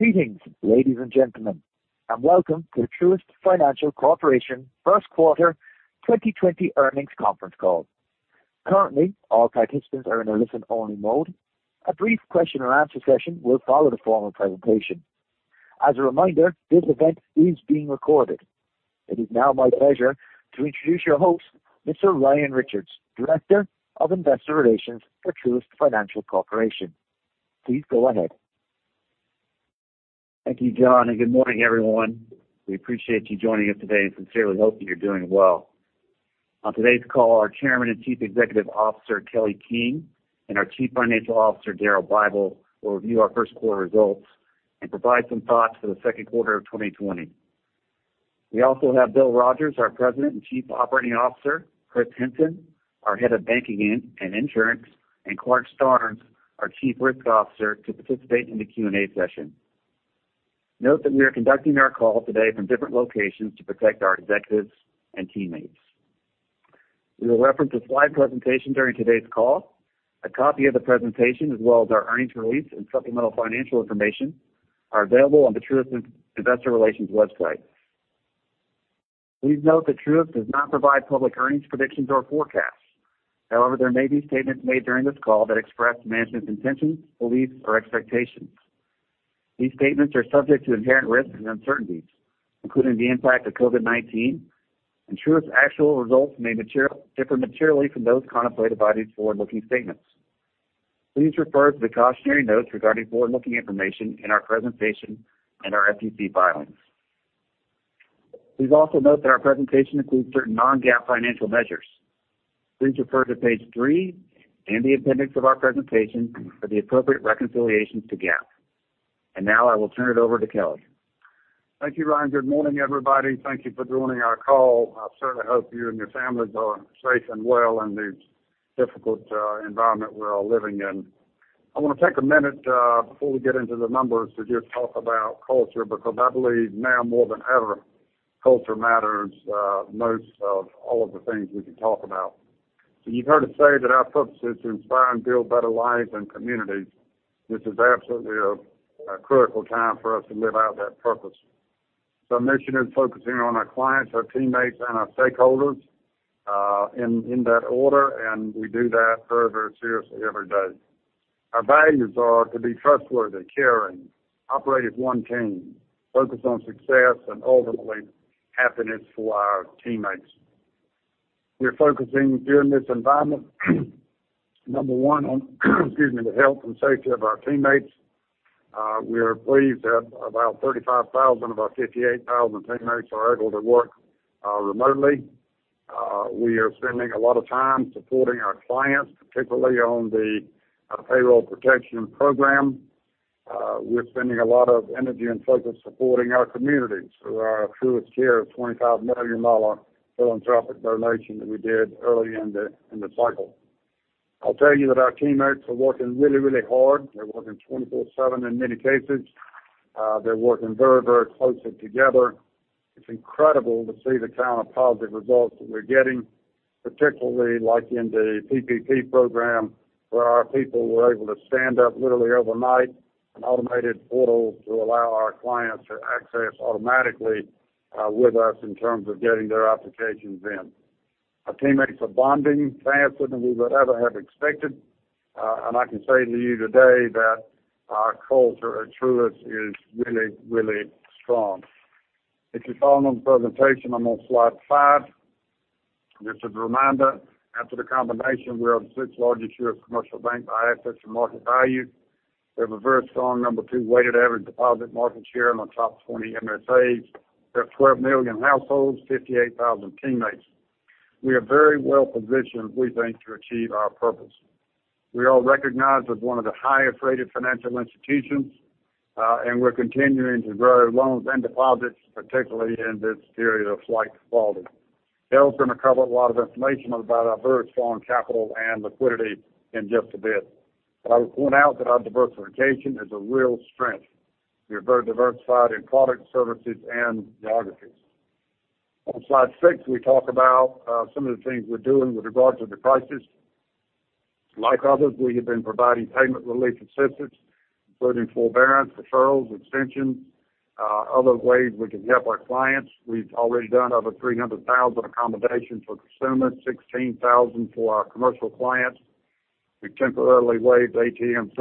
Greetings, ladies and gentlemen, and welcome to Truist Financial Corporation first quarter 2020 earnings conference call. Currently, all participants are in a listen-only mode. A brief question and answer session will follow the formal presentation. As a reminder, this event is being recorded. It is now my pleasure to introduce your host, Mr. Ryan Richards, Director of Investor Relations for Truist Financial Corporation. Please go ahead. Thank you, John, and good morning, everyone. We appreciate you joining us today and sincerely hope that you're doing well. On today's call, our Chairman and Chief Executive Officer, Kelly King, and our Chief Financial Officer, Daryl Bible, will review our first quarter results and provide some thoughts for the second quarter of 2020. We also have William H. Rogers Jr, our President and Chief Operating Officer, Chris Henson, our Head of Banking and Insurance, and Clarke Starnes, our Chief Risk Officer, to participate in the Q&A session. Note that we are conducting our call today from different locations to protect our executives and teammates. We will reference a slide presentation during today's call. A copy of the presentation, as well as our earnings release and supplemental financial information, are available on the Truist Investor Relations website. Please note that Truist does not provide public earnings predictions or forecasts. However, there may be statements made during this call that express management's intentions, beliefs, or expectations. These statements are subject to inherent risks and uncertainties, including the impact of COVID-19, and Truist's actual results may differ materially from those contemplated by these forward-looking statements. Please refer to the cautionary notes regarding forward-looking information in our presentation and our SEC filings. Please also note that our presentation includes certain Non-GAAP financial measures. Please refer to page three in the appendix of our presentation for the appropriate reconciliations to GAAP. Now I will turn it over to Kelly. Thank you, Ryan. Good morning, everybody. Thank you for joining our call. I certainly hope you and your families are safe and well in the difficult environment we're all living in. I want to take a minute, before we get into the numbers, to just talk about culture, because I believe now more than ever, culture matters most of all of the things we can talk about. You've heard us say that our purpose is to inspire and build better lives and communities. Our mission is focusing on our clients, our teammates, and our stakeholders, in that order, and we do that very, very seriously every day. Our values are to be trustworthy, caring, operate as one team, focused on success and ultimately happiness for our teammates. We're focusing during this environment, number one on, excuse me, the health and safety of our teammates. We are pleased that about 35,000 teammates of our 58,000 teammates are able to work remotely. We are spending a lot of time supporting our clients, particularly on the Paycheck Protection Program. We're spending a lot of energy and focus supporting our communities through our Truist Cares of $25 million philanthropic donation that we did early in the cycle. I'll tell you that our teammates are working really, really hard. They're working 24/7 in many cases. They're working very, very closely together. It's incredible to see the kind of positive results that we're getting, particularly like in the Paycheck Protection Program program, where our people were able to stand up literally overnight an automated portal to allow our clients to access automatically with us in terms of getting their applications in. Our teammates are bonding faster than we would ever have expected. I can say to you today that our culture at Truist is really, really strong. If you follow my presentation, I'm on slide five. Just a reminder, after the combination, we are the sixth largest U.S. commercial bank by assets and market value. We have a very strong number two weighted average deposit market share among top 20 MSAs. We have 12 million households, 58,000 teammates. We are very well positioned, we think, to achieve our purpose. We are recognized as one of the highest-rated financial institutions, we're continuing to grow loans and deposits, particularly in this period of flight to quality. Daryl's going to cover a lot of information about our very strong capital and liquidity in just a bit. I would point out that our diversification is a real strength. We are very diversified in products, services, and geographies. On slide six, we talk about some of the things we're doing with regards to the crisis. Like others, we have been providing payment relief assistance, including forbearance, deferrals, extensions, other ways we can help our clients. We've already done over 300,000 accommodations for consumers, 16,000 for our commercial clients. We temporarily waived ATM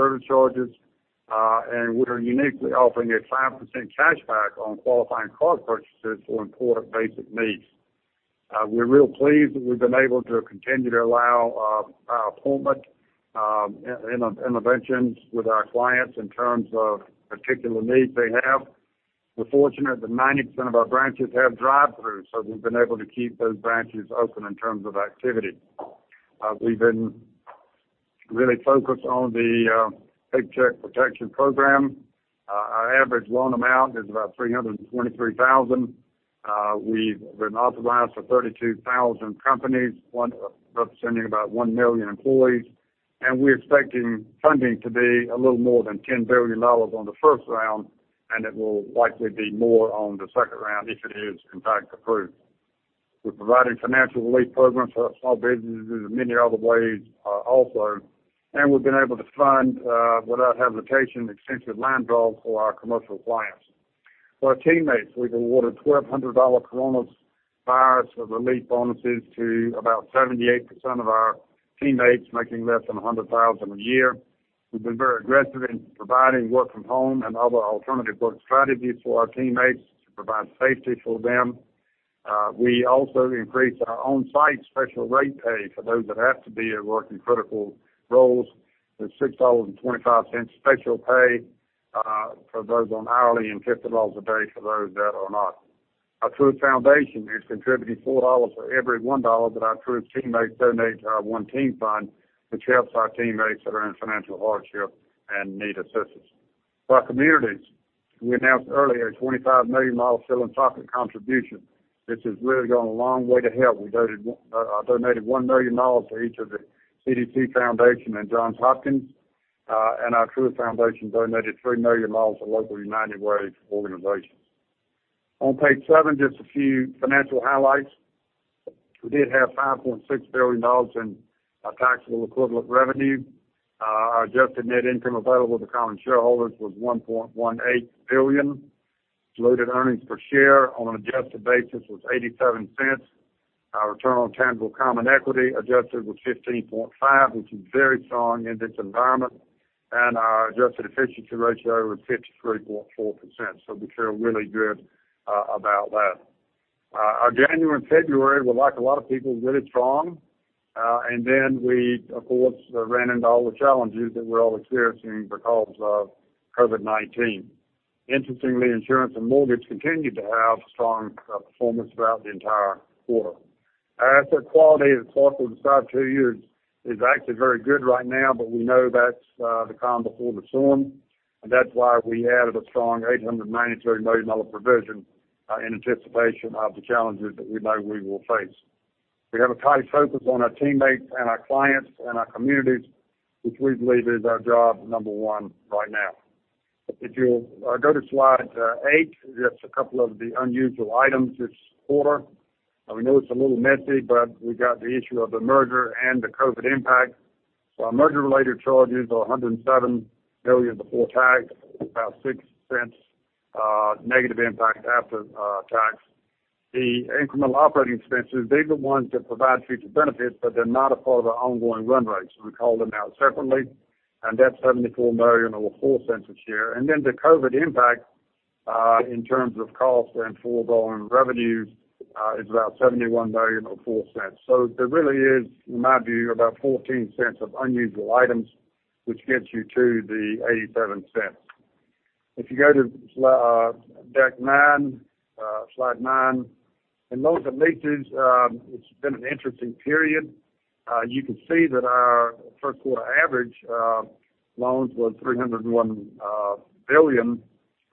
surcharges. We are uniquely offering a 5% cashback on qualifying card purchases for important basic needs. We're real pleased that we've been able to continue to allow appointment interventions with our clients in terms of particular needs they have. We're fortunate that 90% of our branches have drive-throughs, so we've been able to keep those branches open in terms of activity. We've been really focused on the Paycheck Protection Program. Our average loan amount is about $323,000. We've been authorized for 32,000 companies, representing about one million employees. We're expecting funding to be a little more than $10 billion on the first round, and it will likely be more on the second round if it is, in fact, approved. We're providing financial relief programs for our small businesses and many other ways also, and we've been able to fund, without hesitation, extensive line draws for our commercial clients. For our teammates, we've awarded $1,200 coronavirus relief bonuses to about 78% of our teammates making less than $100,000 a year. We've been very aggressive in providing work from home and other alternative work strategies for our teammates to provide safety for them. We also increased our on-site special rate pay for those that have to be at work in critical roles. There's $6.25 special pay for those on hourly and $50 a day for those that are not. Our Truist Foundation has contributed $4 for every $1 that our Truist teammates donate to our One Team Fund, which helps our teammates that are in financial hardship and need assistance. For our communities, we announced earlier a $25 million philanthropic contribution, which has really gone a long way to help. We donated $1 million to each of the CDC Foundation and Johns Hopkins. Our Truist Foundation donated $3 million to local United Way organizations. On page seven, just a few financial highlights. We did have $5.6 billion in taxable equivalent revenue. Our adjusted net income available to common shareholders was $1.18 billion. Diluted earnings per share on an adjusted basis was $0.87. Our return on tangible common equity adjusted was 15.5%, which is very strong in this environment. Our adjusted efficiency ratio was 53.4%, so we feel really good about that. Our January and February were, like a lot of people, really strong. Then we, of course, ran into all the challenges that we're all experiencing because of COVID-19. Interestingly, insurance and mortgage continued to have strong performance throughout the entire quarter. Our asset quality as thoughtful to the past two years is actually very good right now, but we know that's the calm before the storm. That's why we added a strong $893 million provision, in anticipation of the challenges that we know we will face. We have a tight focus on our teammates and our clients and our communities, which we believe is our job number one right now. If you'll go to slide eight, just a couple of the unusual items this quarter. We know it's a little messy, but we got the issue of the merger and the COVID impact. Our merger-related charges are $107 million before tax, about -$0.06 impact after tax. The incremental operating expenses, these are ones that provide future benefits, but they're not a part of our ongoing run rates. We call them out separately, and that's $74 million or $0.04 a share. The COVID-19 impact, in terms of costs and foregoing revenues, is about $71 million or $0.04. There really is, in my view, about $0.14 of unusual items, which gets you to the $0.87. If you go to slide nine, in loans and leases, it's been an interesting period. You can see that our first quarter average loans was $301 billion,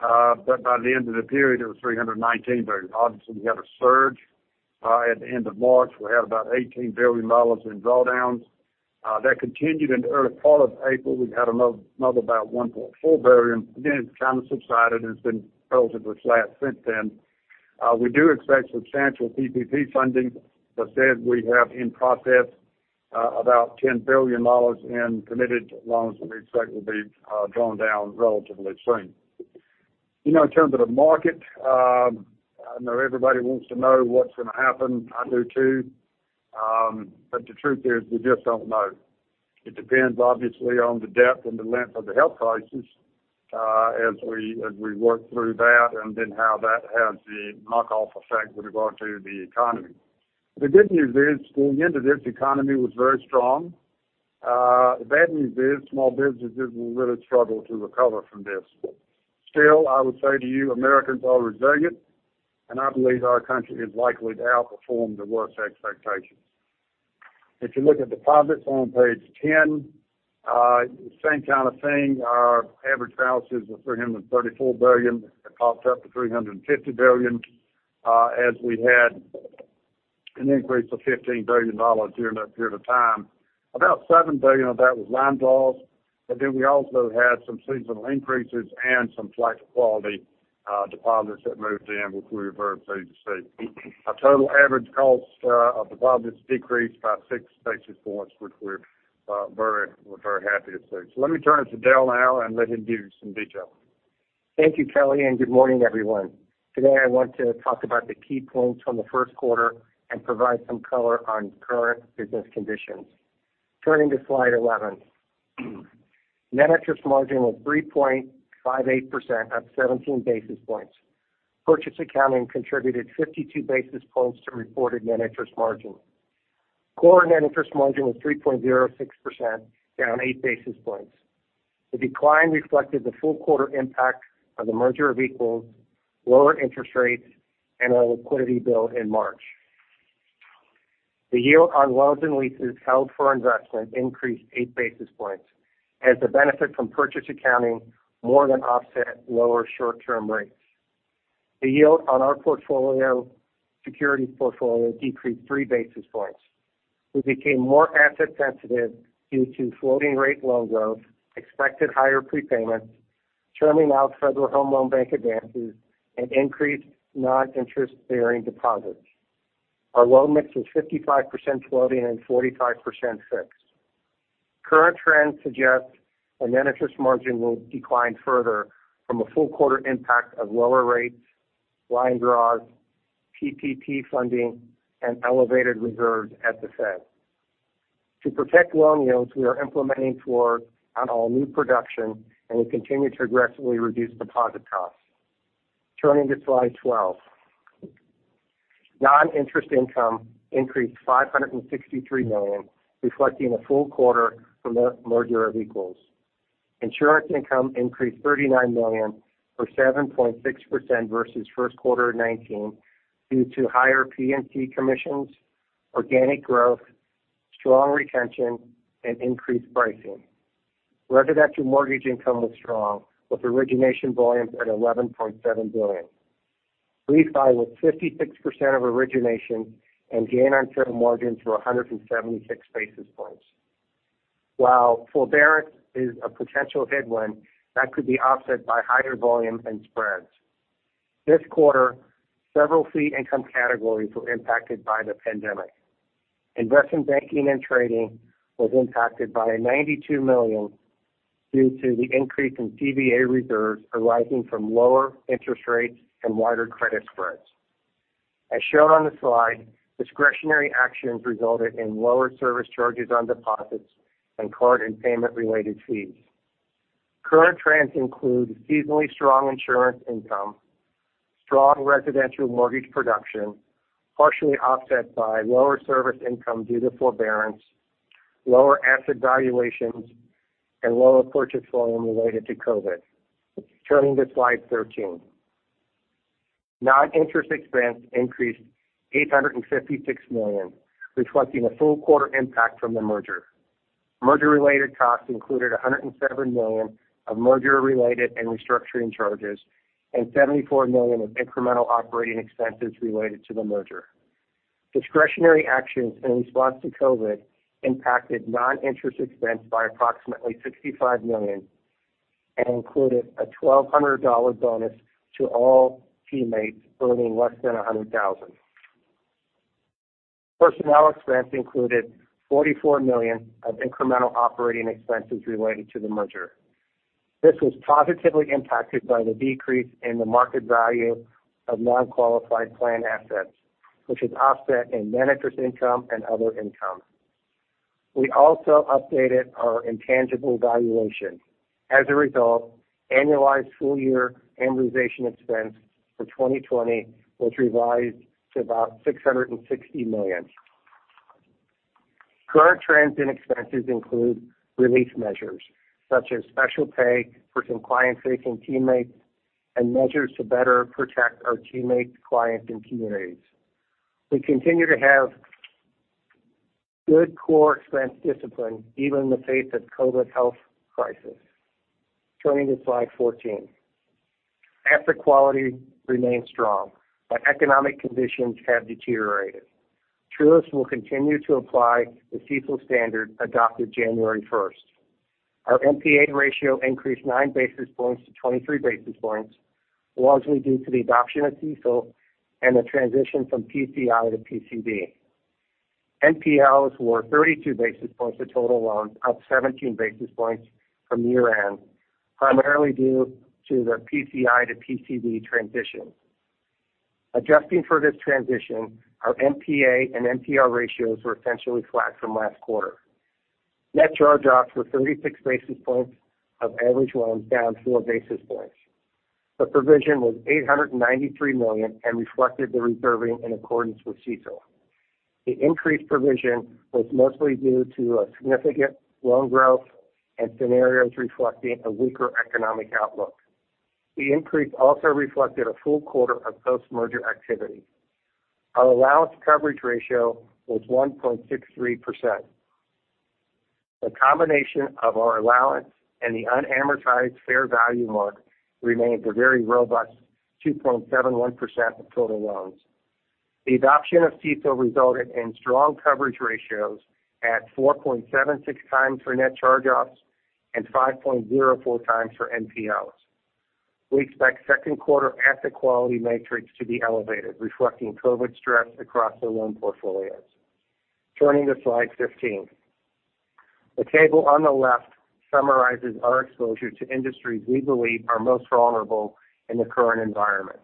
but by the end of the period, it was $319 billion. Obviously, we had a surge, at the end of March. We had about $18 billion in drawdowns. That continued into early part of April. We had another about $1.4 billion. It's kind of subsided, and it's been relatively flat since then. As said, we have in process about $10 billion in committed loans that we expect will be drawn down relatively soon. In terms of the market, I know everybody wants to know what's going to happen. I do too. The truth is, we just don't know. It depends, obviously, on the depth and the length of the health crisis, as we work through that and then how that has the knock-off effect with regard to the economy. The good news is, going into this, the economy was very strong. The bad news is small businesses will really struggle to recover from this. Still, I would say to you, Americans are resilient, and I believe our country is likely to outperform the worst expectations. If you look at deposits on page 10, same kind of thing. Our average balances were $334 billion. It popped up to $350 billion, as we had an increase of $15 billion during that period of time. About $7 billion of that was line draws, but then we also had some seasonal increases and some flight-to-quality deposits that moved in, which we were very pleased to see. Our total average cost of deposits decreased by 6 basis points, which we're very happy to see. Let me turn it to Daryl now and let him give you some detail. Thank you, Kelly. Good morning, everyone. Today, I want to talk about the key points from the first quarter and provide some color on current business conditions. Turning to slide 11. Net interest margin was 3.58%, up 17 basis points. Purchase accounting contributed 52 basis points to reported net interest margin. Core net interest margin was 3.06%, down 8 basis points. The decline reflected the full quarter impact of the merger of equals, lower interest rates, and our liquidity build in March. The yield on loans and leases held for investment increased 8 basis points as the benefit from purchase accounting more than offset lower short-term rates. The yield on our securities portfolio decreased 3 basis points. We became more asset sensitive due to floating rate loan growth, expected higher prepayments. Turning now to Federal Home Loan Bank advances and increased non-interest-bearing deposits. Our loan mix is 55% floating and 45% fixed. Current trends suggest a net interest margin will decline further from a full quarter impact of lower rates, line draws, PPP funding, and elevated reserves at the Fed. To protect loan yields, we are implementing floors on all new production, and we continue to aggressively reduce deposit costs. Turning to slide 12. Non-interest income increased $563 million, reflecting a full quarter from the merger of equals. Insurance income increased $39 million or 7.6% versus first quarter of 2019 due to higher P&C commissions, organic growth, strong retention, and increased pricing. Residential mortgage income was strong with origination volumes at $11.7 billion. Refi was 56% of origination and gain on sale mortgages were 176 basis points. While forbearance is a potential headwind, that could be offset by higher volume and spreads. This quarter, several fee income categories were impacted by the pandemic. Investment banking and trading was impacted by $92 million due to the increase in CVA reserves arising from lower interest rates and wider credit spreads. As shown on the slide, discretionary actions resulted in lower service charges on deposits and card and payment-related fees. Current trends include seasonally strong insurance income, strong residential mortgage production, partially offset by lower service income due to forbearance, lower asset valuations, and lower purchase volume related to COVID-19. Turning to slide 13. Non-interest expense increased $856 million, reflecting a full quarter impact from the merger. Merger-related costs included $107 million of merger-related and restructuring charges, and $74 million of incremental operating expenses related to the merger. Discretionary actions in response to COVID-19 impacted non-interest expense by approximately $65 million and included a $1,200 bonus to all teammates earning less than $100,000. Personnel expense included $44 million of incremental operating expenses related to the merger. This was positively impacted by the decrease in the market value of non-qualified plan assets, which is offset in net interest income and other income. We also updated our intangible valuation. As a result, annualized full-year amortization expense for 2020 was revised to about $660 million. Current trends in expenses include relief measures, such as special pay for some client-facing teammates and measures to better protect our teammates, clients, and communities. We continue to have good core expense discipline even in the face of COVID-19 health crisis. Turning to Slide 14. Asset quality remains strong, economic conditions have deteriorated. Truist will continue to apply the CECL standard adopted January first. Our NPA ratio increased 9 basis points-23 basis points, largely due to the adoption of CECL and the transition from PCI to PCD. NPLs were 32 basis points of total loans, up 17 basis points from year-end, primarily due to the PCI to PCD transition. Adjusting for this transition, our NPA and NPL ratios were essentially flat from last quarter. Net charge-offs were 36 basis points of average loans down 4 basis points. The provision was $893 million and reflected the reserving in accordance with CECL. The increased provision was mostly due to a significant loan growth and scenarios reflecting a weaker economic outlook. The increase also reflected a full quarter of post-merger activity. Our allowance coverage ratio was 1.63%. The combination of our allowance and the unamortized fair value mark remains a very robust 2.71% of total loans. The adoption of CECL resulted in strong coverage ratios at 4.76x for net charge-offs and 5.04x for NPLs. We expect second quarter asset quality metrics to be elevated, reflecting COVID stress across the loan portfolios. Turning to slide 15. The table on the left summarizes our exposure to industries we believe are most vulnerable in the current environment.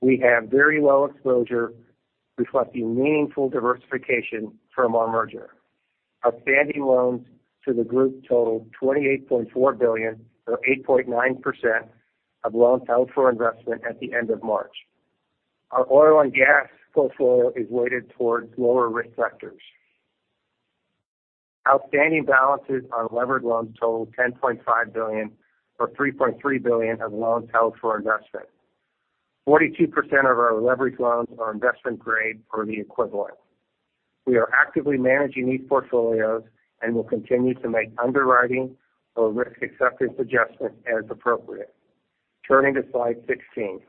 We have very low exposure, reflecting meaningful diversification from our merger. Outstanding loans to the group totaled $28.4 billion or 8.9% of loans held for investment at the end of March. Our oil and gas portfolio is weighted towards lower risk sectors. Outstanding balances on levered loans totaled $10.5 billion or $3.3 billion of loans held for investment. 42% of our leverage loans are investment grade or the equivalent. We are actively managing these portfolios and will continue to make underwriting or risk acceptance adjustments as appropriate. Turning to slide 16.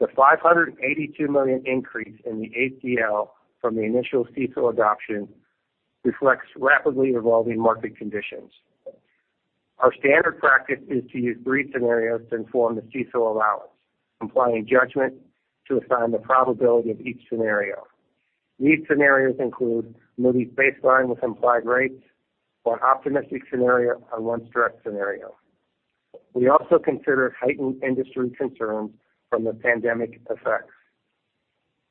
The $582 million increase in the ACL from the initial CECL adoption reflects rapidly evolving market conditions. Our standard practice is to use three scenarios to inform the CECL allowance, applying judgment to assign the probability of each scenario. These scenarios include Moody's baseline with implied rates, our optimistic scenario, and one stress scenario. We also consider heightened industry concerns from the pandemic effects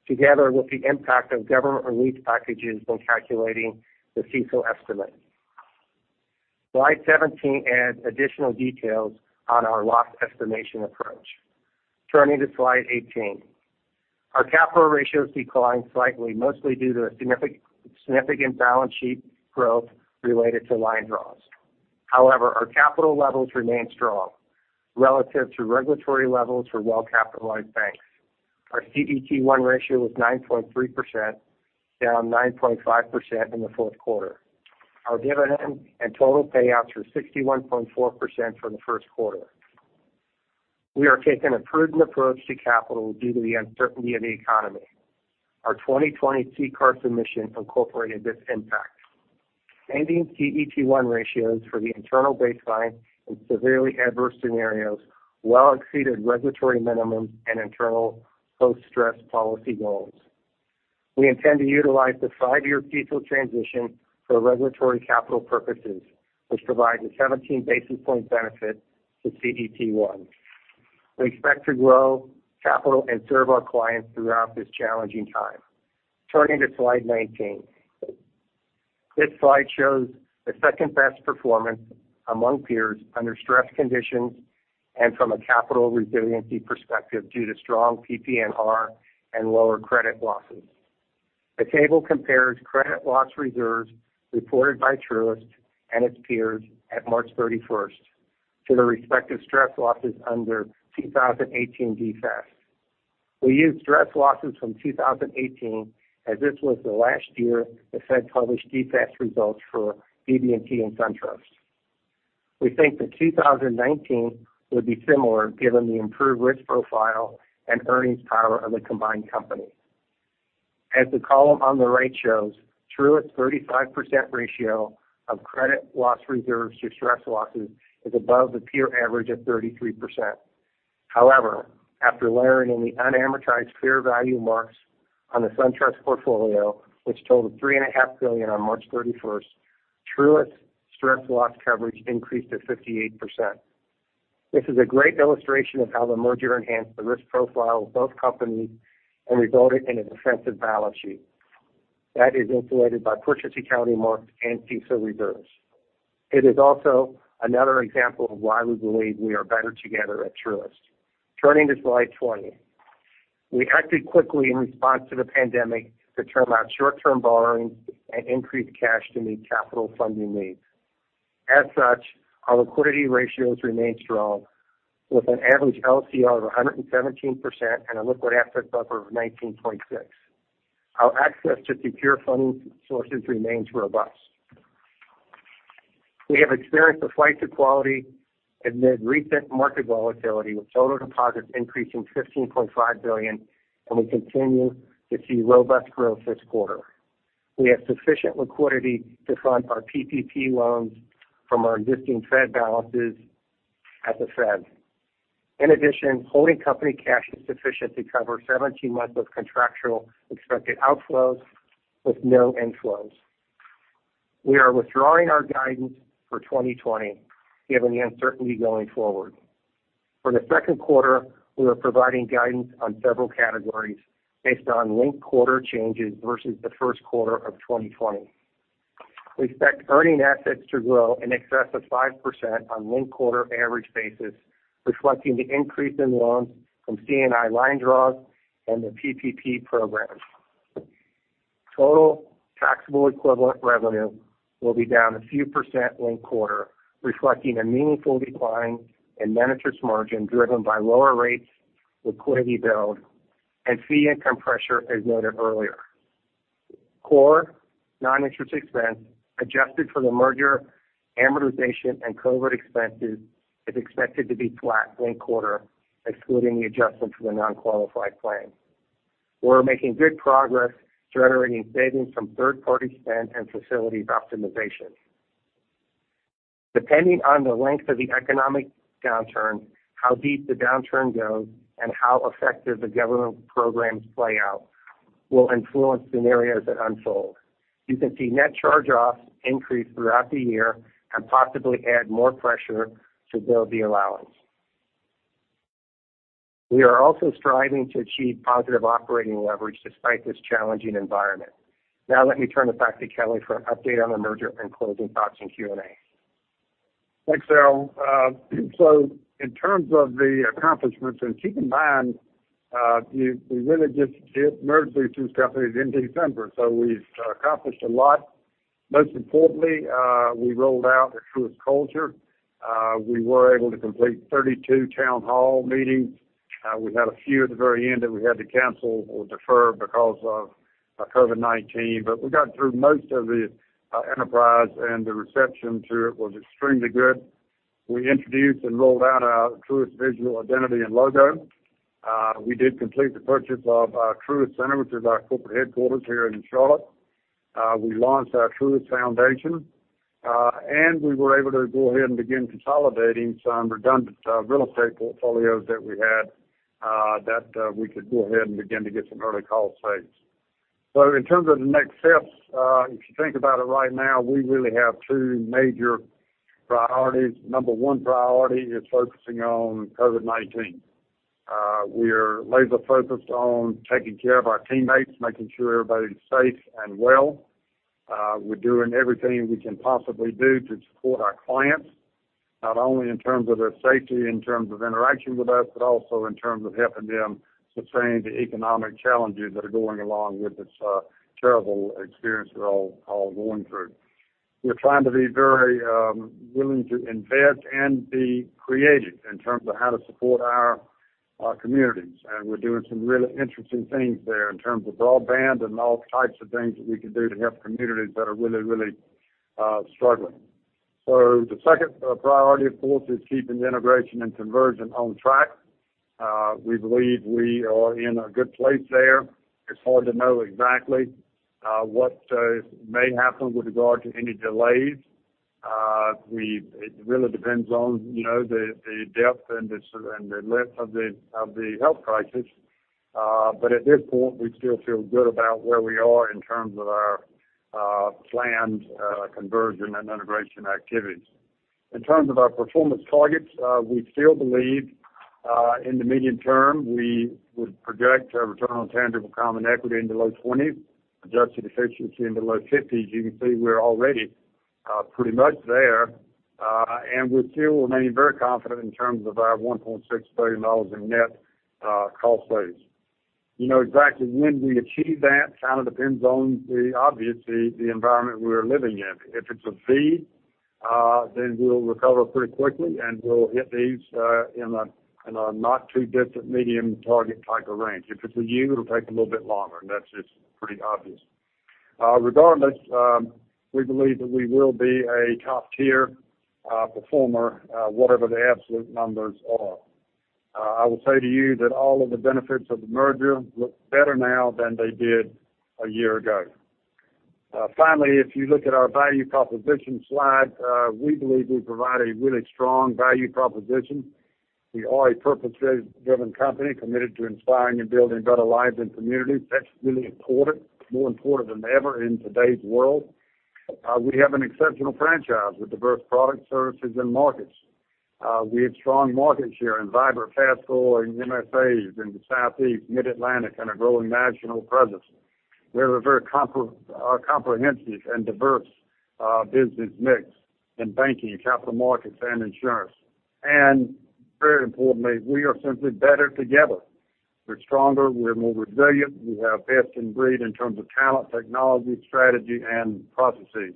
together with the impact of government relief packages when calculating the CECL estimate. Slide 17 adds additional details on our loss estimation approach. Turning to slide 18. Our capital ratios declined slightly, mostly due to a significant balance sheet growth related to line draws. However, our capital levels remain strong relative to regulatory levels for well-capitalized banks. Our CET1 ratio was 9.3%, down 9.5% in the fourth quarter. Our dividend and total payouts were 61.4% for the first quarter. We are taking a prudent approach to capital due to the uncertainty of the economy. Our 2020 CCAR submission incorporated this impact. Ending CET1 ratios for the internal baseline and severely adverse scenarios well exceeded regulatory minimums and internal post-stress policy goals. We intend to utilize the five-year CECL transition for regulatory capital purposes, which provide a 17-basis point benefit to CET1. We expect to grow capital and serve our clients throughout this challenging time. Turning to slide 19. This slide shows the second-best performance among peers under stress conditions and from a capital resiliency perspective, due to strong PPNR and lower credit losses. The table compares credit loss reserves reported by Truist and its peers at March 31st to the respective stress losses under 2018 DFAST. We used stress losses from 2018, as this was the last year the Fed published DFAST results for BB&T and SunTrust. We think that 2019 would be similar given the improved risk profile and earnings power of the combined company. As the column on the right shows, Truist's 35% ratio of credit loss reserves to stress losses is above the peer average of 33%. After layering in the unamortized fair value marks on the SunTrust portfolio, which totaled $3.5 billion On March 31st, Truist's stress loss coverage increased to 58%. This is a great illustration of how the merger enhanced the risk profile of both companies and resulted in a defensive balance sheet that is insulated by purchase accounting marks and CECL reserves. It is also another example of why we believe we are better together at Truist. Turning to slide 20. We acted quickly in response to the pandemic to term out short-term borrowings and increase cash to meet capital funding needs. As such, our liquidity ratios remain strong, with an average LCR of 117% and a liquid asset buffer of 19.6%. Our access to secure funding sources remains robust. We have experienced a flight to quality amid recent market volatility, with total deposits increasing by $15.5 billion, and we continue to see robust growth this quarter. We have sufficient liquidity to fund our PPP loans from our existing Fed balances at the Fed. Holding company cash is sufficient to cover 17 months of contractual expected outflows with no inflows. We are withdrawing our guidance for 2020 given the uncertainty going forward. For the 2Q, we are providing guidance on several categories based on linked-quarter changes versus the 1Q of 2020. We expect earning assets to grow in excess of 5% on linked-quarter average basis, reflecting the increase in loans from C&I line draws and the PPP programs. Total taxable equivalent revenue will be down a few percent linked-quarter, reflecting a meaningful decline in net interest margin driven by lower rates, liquidity build, and fee income pressure, as noted earlier. Core non-interest expense, adjusted for the merger amortization and COVID expenses, is expected to be flat linked-quarter, excluding the adjustment for the non-qualified plan. We're making good progress generating savings from third-party spend and facilities optimization. Depending on the length of the economic downturn, how deep the downturn goes, and how effective the government programs play out will influence scenarios that unfold. You can see net charge-offs increase throughout the year and possibly add more pressure to build the allowance. We are also striving to achieve positive operating leverage despite this challenging environment. Now let me turn it back to Kelly for an update on the merger and closing thoughts and Q&A. Thanks, Darryl. In terms of the accomplishments, and keep in mind, we really just merged these two companies in December, so we've accomplished a lot. Most importantly, we rolled out the Truist culture. We were able to complete 32 town hall meetings. We had a few at the very end that we had to cancel or defer because of COVID-19, but we got through most of the enterprise, and the reception to it was extremely good. We introduced and rolled out our Truist visual identity and logo. We did complete the purchase of our Truist Center, which is our corporate headquarters here in Charlotte. We launched our Truist Foundation, and we were able to go ahead and begin consolidating some redundant real estate portfolios that we had, that we could go ahead and begin to get some early cost saves. In terms of the next steps, if you think about it right now, we really have two major priorities. Number 1 priority is focusing on COVID-19. We are laser-focused on taking care of our teammates, making sure everybody's safe and well. We're doing everything we can possibly do to support our clients, not only in terms of their safety, in terms of interaction with us, but also in terms of helping them sustain the economic challenges that are going along with this terrible experience we're all going through. We're trying to be very willing to invest and be creative in terms of how to support our communities. We're doing some really interesting things there in terms of broadband and all types of things that we can do to help communities that are really struggling. The second priority, of course, is keeping the integration and conversion on track. We believe we are in a good place there. It's hard to know exactly what may happen with regard to any delays. It really depends on the depth and the length of the health crisis. At this point, we still feel good about where we are in terms of our planned conversion and integration activities. In terms of our performance targets, we still believe, in the medium term, we would project a return on tangible common equity in the low 20s, adjusted efficiency in the low 50s. You can see we're already pretty much there. We still remain very confident in terms of our $1.6 billion in net cost saves. You know, exactly when we achieve that kind of depends on the obvious, the environment we're living in. If it's a V, then we'll recover pretty quickly, and we'll hit these in a not too distant medium target type of range. If it's a U, it'll take a little bit longer, and that's just pretty obvious. Regardless, we believe that we will be a top-tier performer, whatever the absolute numbers are. I will say to you that all of the benefits of the merger look better now than they did a year ago. Finally, if you look at our value proposition slide, we believe we provide a really strong value proposition. We are a purpose-driven company committed to inspiring and building better lives and communities. That's really important, more important than ever in today's world. We have an exceptional franchise with diverse products, services, and markets. We have strong markets share and vibrant cash flow in MSAs in the Southeast, Mid-Atlantic, and a growing national presence. We have a very comprehensive and diverse business mix in banking, capital markets, and insurance. Very importantly, we are simply better together. We're stronger. We're more resilient. We have best in breed in terms of talent, technology, strategy, and processes.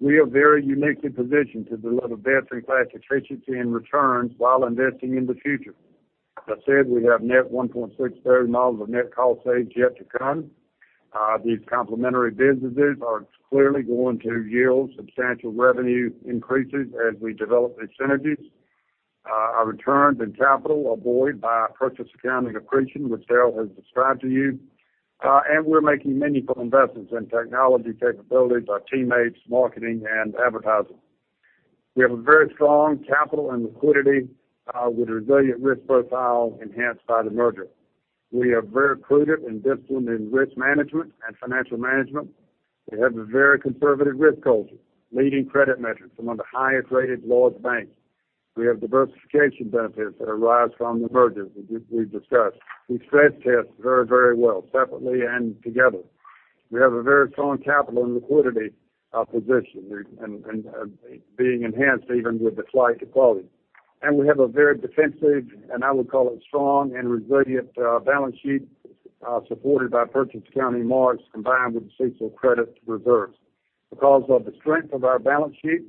We are very uniquely positioned to deliver best-in-class efficiency and returns while investing in the future. As I said, we have net $1.6 billion of net cost saves yet to come. These complementary businesses are clearly going to yield substantial revenue increases as we develop these synergies. Our returns in capital are buoyed by purchase accounting accretion, which Daryl has described to you. We're making meaningful investments in technology capabilities, our teammates, marketing, and advertising. We have a very strong capital and liquidity with a resilient risk profile enhanced by the merger. We are very prudent and disciplined in risk management and financial management. We have a very conservative risk culture, leading credit metrics, among the highest-rated large banks. We have diversification benefits that arise from the merger, as we've discussed. We stress test very well, separately and together. We have a very strong capital and liquidity position, and being enhanced even with the slight flight to quality. We have a very defensive, and I would call it strong and resilient balance sheet, supported by purchase accounting marks combined with the CECL credit reserves. Because of the strength of our balance sheet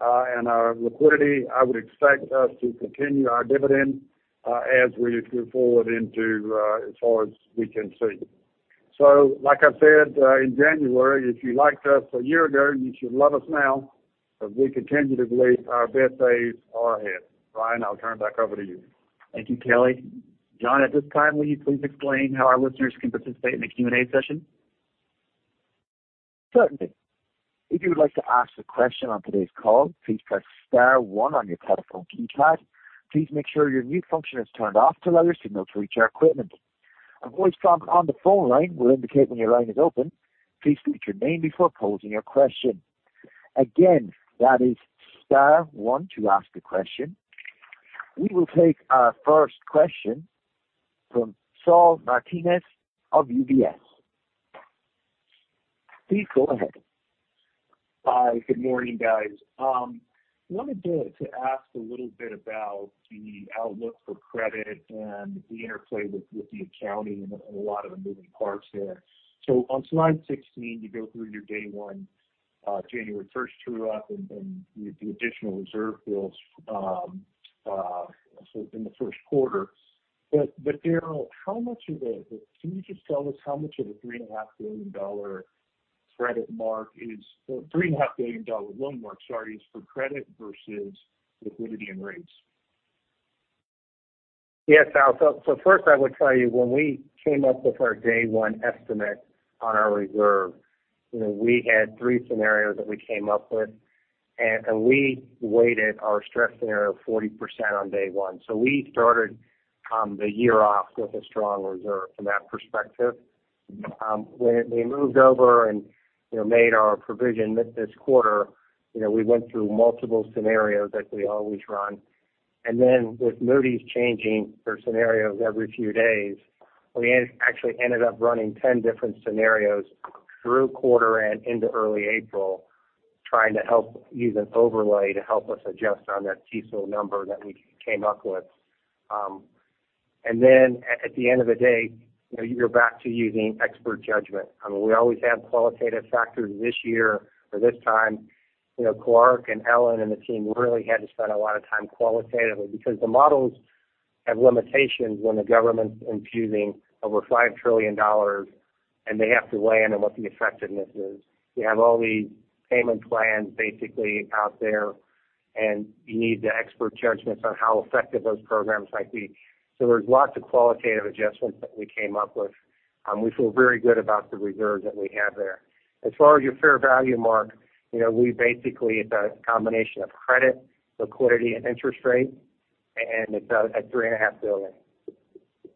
and our liquidity, I would expect us to continue our dividend as we move forward into as far as we can see. Like I said in January, if you liked us a year ago, you should love us now, because we continue to believe our best days are ahead. Ryan, I'll turn it back over to you. Thank you, Kelly. John, at this time, will you please explain how our listeners can participate in the Q&A session? Certainly. If you would like to ask a question on today's call, please press star one on your telephone keypad. Please make sure your mute function is turned off to allow your signal to reach our equipment. A voice prompt on the phone line will indicate when your line is open. Please state your name before posing your question. Again, that is star one to ask a question. We will take our first question from Saul Martinez of UBS. Please go ahead. Hi. Good morning, guys. Wanted to ask a little bit about the outlook for credit and the interplay with the accounting and a lot of the moving parts there. On slide 16, you go through your day one, January 1st true-up and the additional reserve builds in the first quarter. Daryl, can you just tell us how much of the $3.5 billion credit mark or $3.5 billion loan mark, sorry, is for credit versus liquidity and rates? Yeah, Saul. First, I would tell you, when we came up with our day one estimate on our reserve, we had three scenarios that we came up with. We weighted our stress scenario 40% on day one. We started the year off with a strong reserve from that perspective. When we moved over and made our provision this quarter, we went through multiple scenarios as we always run. With Moody's changing their scenarios every few days, we actually ended up running 10 different scenarios through quarter end into early April, trying to help use an overlay to help us adjust on that CECL number that we came up with. At the end of the day, you're back to using expert judgment. We always have qualitative factors this year or this time. Clarke and Ellen and the team really had to spend a lot of time qualitatively because the models have limitations when the government's infusing over $5 trillion and they have to weigh in on what the effectiveness is. You have all these payment plans basically out there, and you need the expert judgments on how effective those programs might be. There's lots of qualitative adjustments that we came up with. We feel very good about the reserve that we have there. As far as your fair value mark, we basically, it's a combination of credit, liquidity, and interest rate, and it's at $3.5 billion.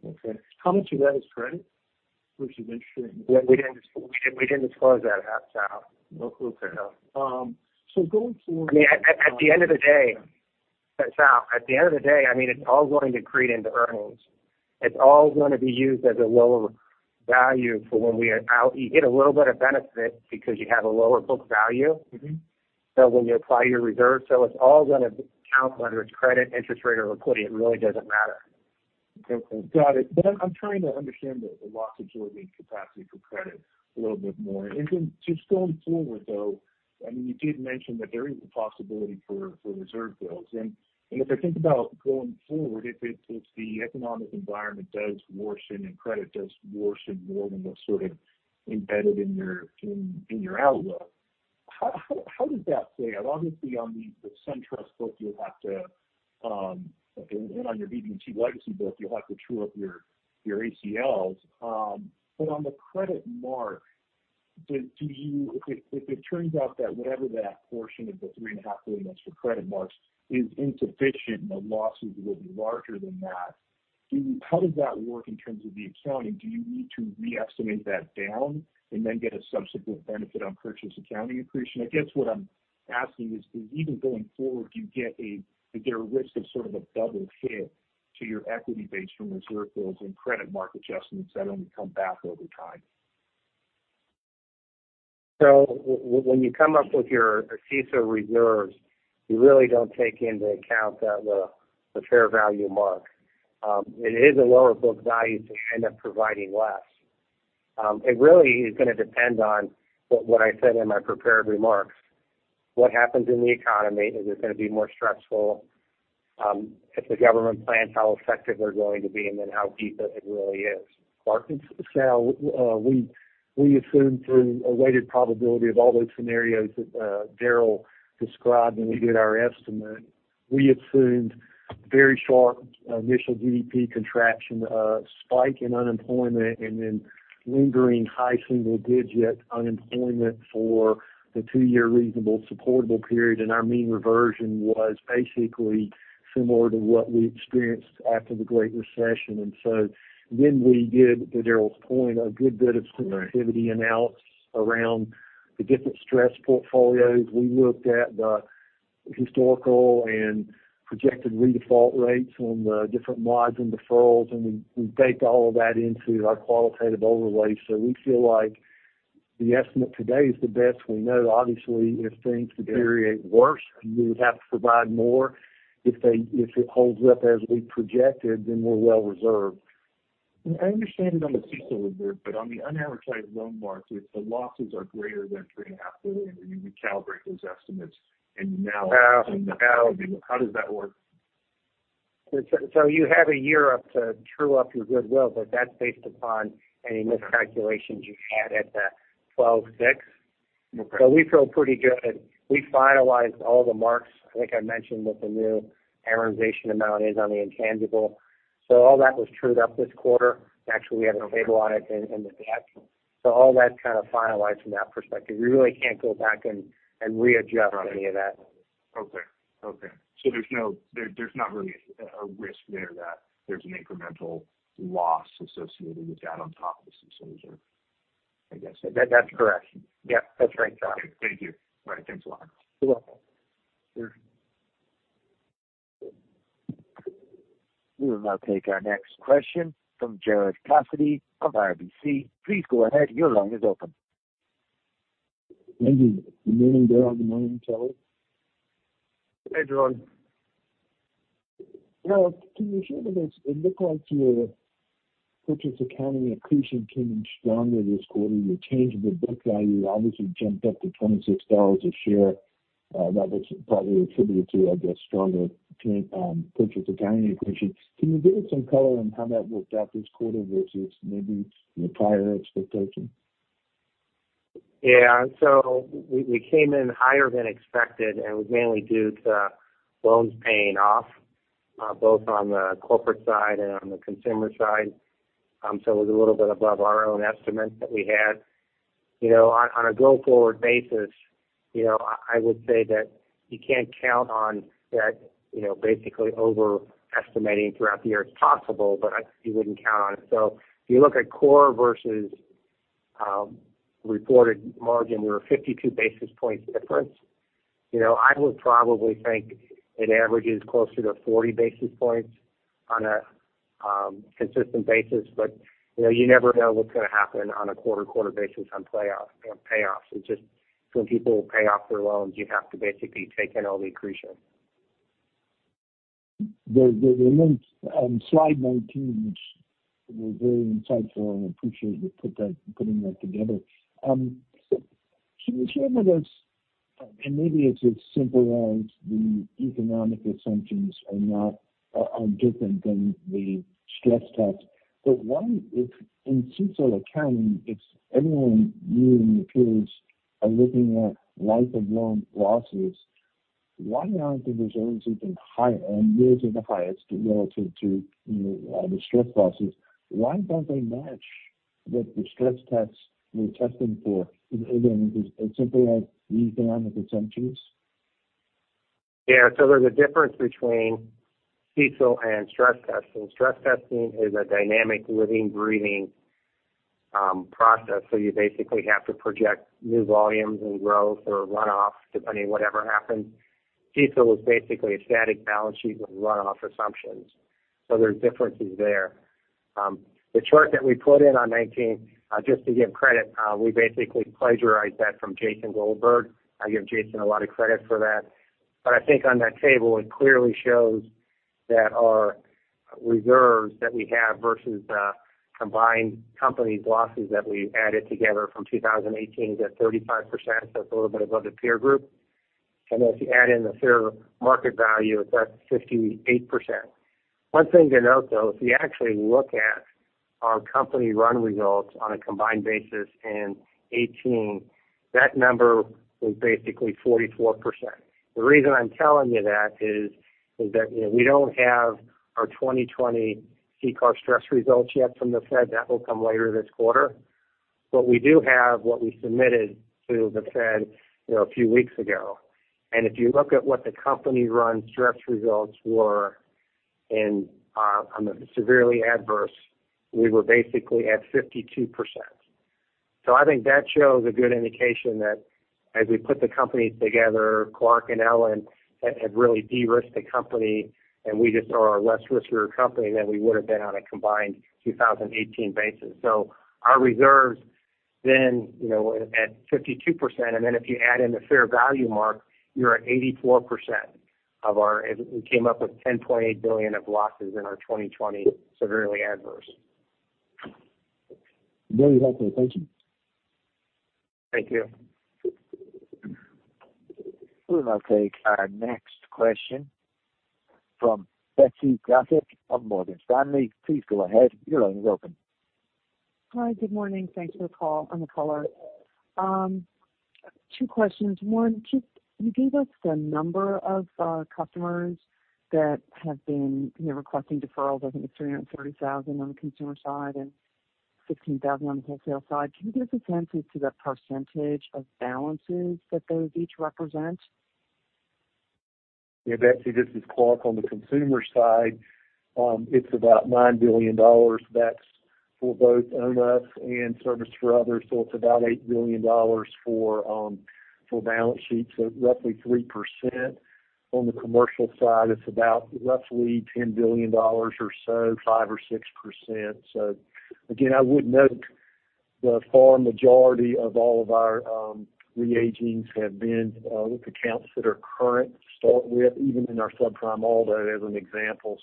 Okay. How much of that is credit versus interest rate? We didn't disclose that, Saul. Okay. At the end of the day, Saul, it's all going to accrete into earnings. It's all going to be used as a lower value for when we are out. You get a little bit of benefit because you have a lower book value. When you apply your reserve. It's all going to count, whether it's credit, interest rate, or liquidity. It really doesn't matter. Okay. Got it. I'm trying to understand the loss absorbing capacity for credit a little bit more. Then just going forward, though, you did mention that there is a possibility for reserve builds. If I think about going forward, if the economic environment does worsen and credit does worsen more than what's sort of embedded in your outlook, how does that play out? Obviously, on the SunTrust book, and on your BB&T legacy book, you'll have to true up your ACLs. On the credit mark, if it turns out that whatever that portion of the $3.5 billion that's for credit marks is insufficient and the losses will be larger than that, how does that work in terms of the accounting? Do you need to re-estimate that down and then get a subsequent benefit on purchase accounting accretion? I guess what I'm asking is, even going forward, is there a risk of sort of a double hit to your equity base from reserve builds and credit mark adjustments that only come back over time? When you come up with your CECL reserves, you really don't take into account the fair value mark. It is a lower book value, so you end up providing less. It really is going to depend on what I said in my prepared remarks. What happens in the economy? Is it going to be more stressful? If the government plans, how effective they're going to be, and then how deep it really is. Clarke? Saul, we assumed through a weighted probability of all those scenarios that Daryl described when we did our estimate. We assumed very sharp initial GDP contraction, a spike in unemployment, and then lingering high single-digit unemployment for the two-year reasonable supportable period. Our mean reversion was basically similar to what we experienced after the Great Recession. Then we did, to Daryl's point, a good bit of sensitivity analysis around the different stress portfolios. We looked at the historical and projected redefault rates on the different mods and deferrals, and we baked all of that into our qualitative overlay. We feel like the estimate today is the best we know. Obviously, if things deteriorate worse, we would have to provide more. If it holds up as we projected, then we're well reserved. I understand it on the CECL reserve, but on the loan mark, if the losses are greater than $3.5 billion, and you recalibrate those estimates. Saul How does that work? You have a year up to true up your goodwill, but that's based upon any miscalculations you had at the 12/6. Okay. We feel pretty good. We finalized all the marks, I think I mentioned, what the new amortization amount is on the intangible. All that was trued up this quarter. Actually, we have a paper on it in the deck. All that's kind of finalized from that perspective. We really can't go back and readjust any of that. Okay. There's not really a risk there that there's an incremental loss associated with that on top of some sort of reserve, I guess. That's correct. Yep, that's right, Saul. Okay. Thank you. All right. Thanks a lot. You're welcome. Sure. We will now take our next question from Gerard Cassidy of RBC Capital Markets. Please go ahead. Your line is open. Good morning, Daryl. Good morning, Clarke. Hey, Gerard. Daryl, can you share the mix? It looked like your purchase accounting accretion came in stronger this quarter. Your tangible book value obviously jumped up to $26 a share. That was probably attributed to, I guess, stronger purchase accounting accretion. Can you give us some color on how that worked out this quarter versus maybe your prior expectation? Yeah. We came in higher than expected, and it was mainly due to loans paying off, both on the corporate side and on the consumer side. It was a little bit above our own estimate that we had. On a go-forward basis, I would say that you can't count on that basically overestimating throughout the year. It's possible, but you wouldn't count on it. If you look at core versus reported margin, we were 52 basis points difference. I would probably think it averages closer to 40 basis points on a consistent basis. You never know what's going to happen on a quarter-to-quarter basis on payoffs. It's just when people pay off their loans, you have to basically take in all the accretion. The notes on slide 19, which were very insightful, and I appreciate you putting that together. Can you share with us, and maybe it's as simple as the economic assumptions are different than the stress test. One, if in CECL accounting, it's everyone viewing the peers are looking at life of loan losses, why aren't the reserves even higher and near to the highest relative to the stress losses? Why don't they match what the stress tests were testing for? Is it simply like the economic assumptions? There's a difference between CECL and stress testing. Stress testing is a dynamic, living, breathing process. You basically have to project new volumes and growth or runoff depending on whatever happens. CECL is basically a static balance sheet with runoff assumptions. There's differences there. The chart that we put in on slide 19, just to give credit, we basically plagiarized that from Jason Goldberg. I give Jason a lot of credit for that. I think on that table, it clearly shows that our reserves that we have versus the combined companies' losses that we added together from 2018 is at 35%, so it's a little bit above the peer group. Then if you add in the fair market value, that's 58%. One thing to note, though, if you actually look at our company-run results on a combined basis in 2018, that number was basically 44%. The reason I'm telling you that is that we don't have our 2020 CCAR stress results yet from the Fed. That will come later this quarter. We do have what we submitted to the Fed a few weeks ago. If you look at what the company-run stress results were on the severely adverse, we were basically at 52%. I think that shows a good indication that as we put the companies together, Clarke and Allan had really de-risked the company, and we just are a less riskier company than we would've been on a combined 2018 basis. Our reserves then at 52%, and then if you add in the fair value mark, you're at 84%. We came up with $10.8 billion of losses in our 2020 severely adverse. Very helpful. Thank you. Thank you. We will now take our next question from Betsy Graseck of Morgan Stanley. Please go ahead. Your line is open. Hi. Good morning. Thanks you all on the color. Two questions. One, you gave us the number of customers that have been requesting deferrals. I think it's 330,000 on the consumer side and 16,000 on the wholesale side. Can you give us a sense as to the percentage of balances that those each represent? Yeah, Betsy, this is Clarke. On the consumer side, it's about $9 billion. That's for both on us and service for others. It's about $8 billion for balance sheet, so roughly 3%. On the commercial side, it's about roughly $10 billion or so, 5% or 6%. Again, I would note the far majority of all of our re-agings have been with accounts that are current to start with, even in our subprime, although as an example.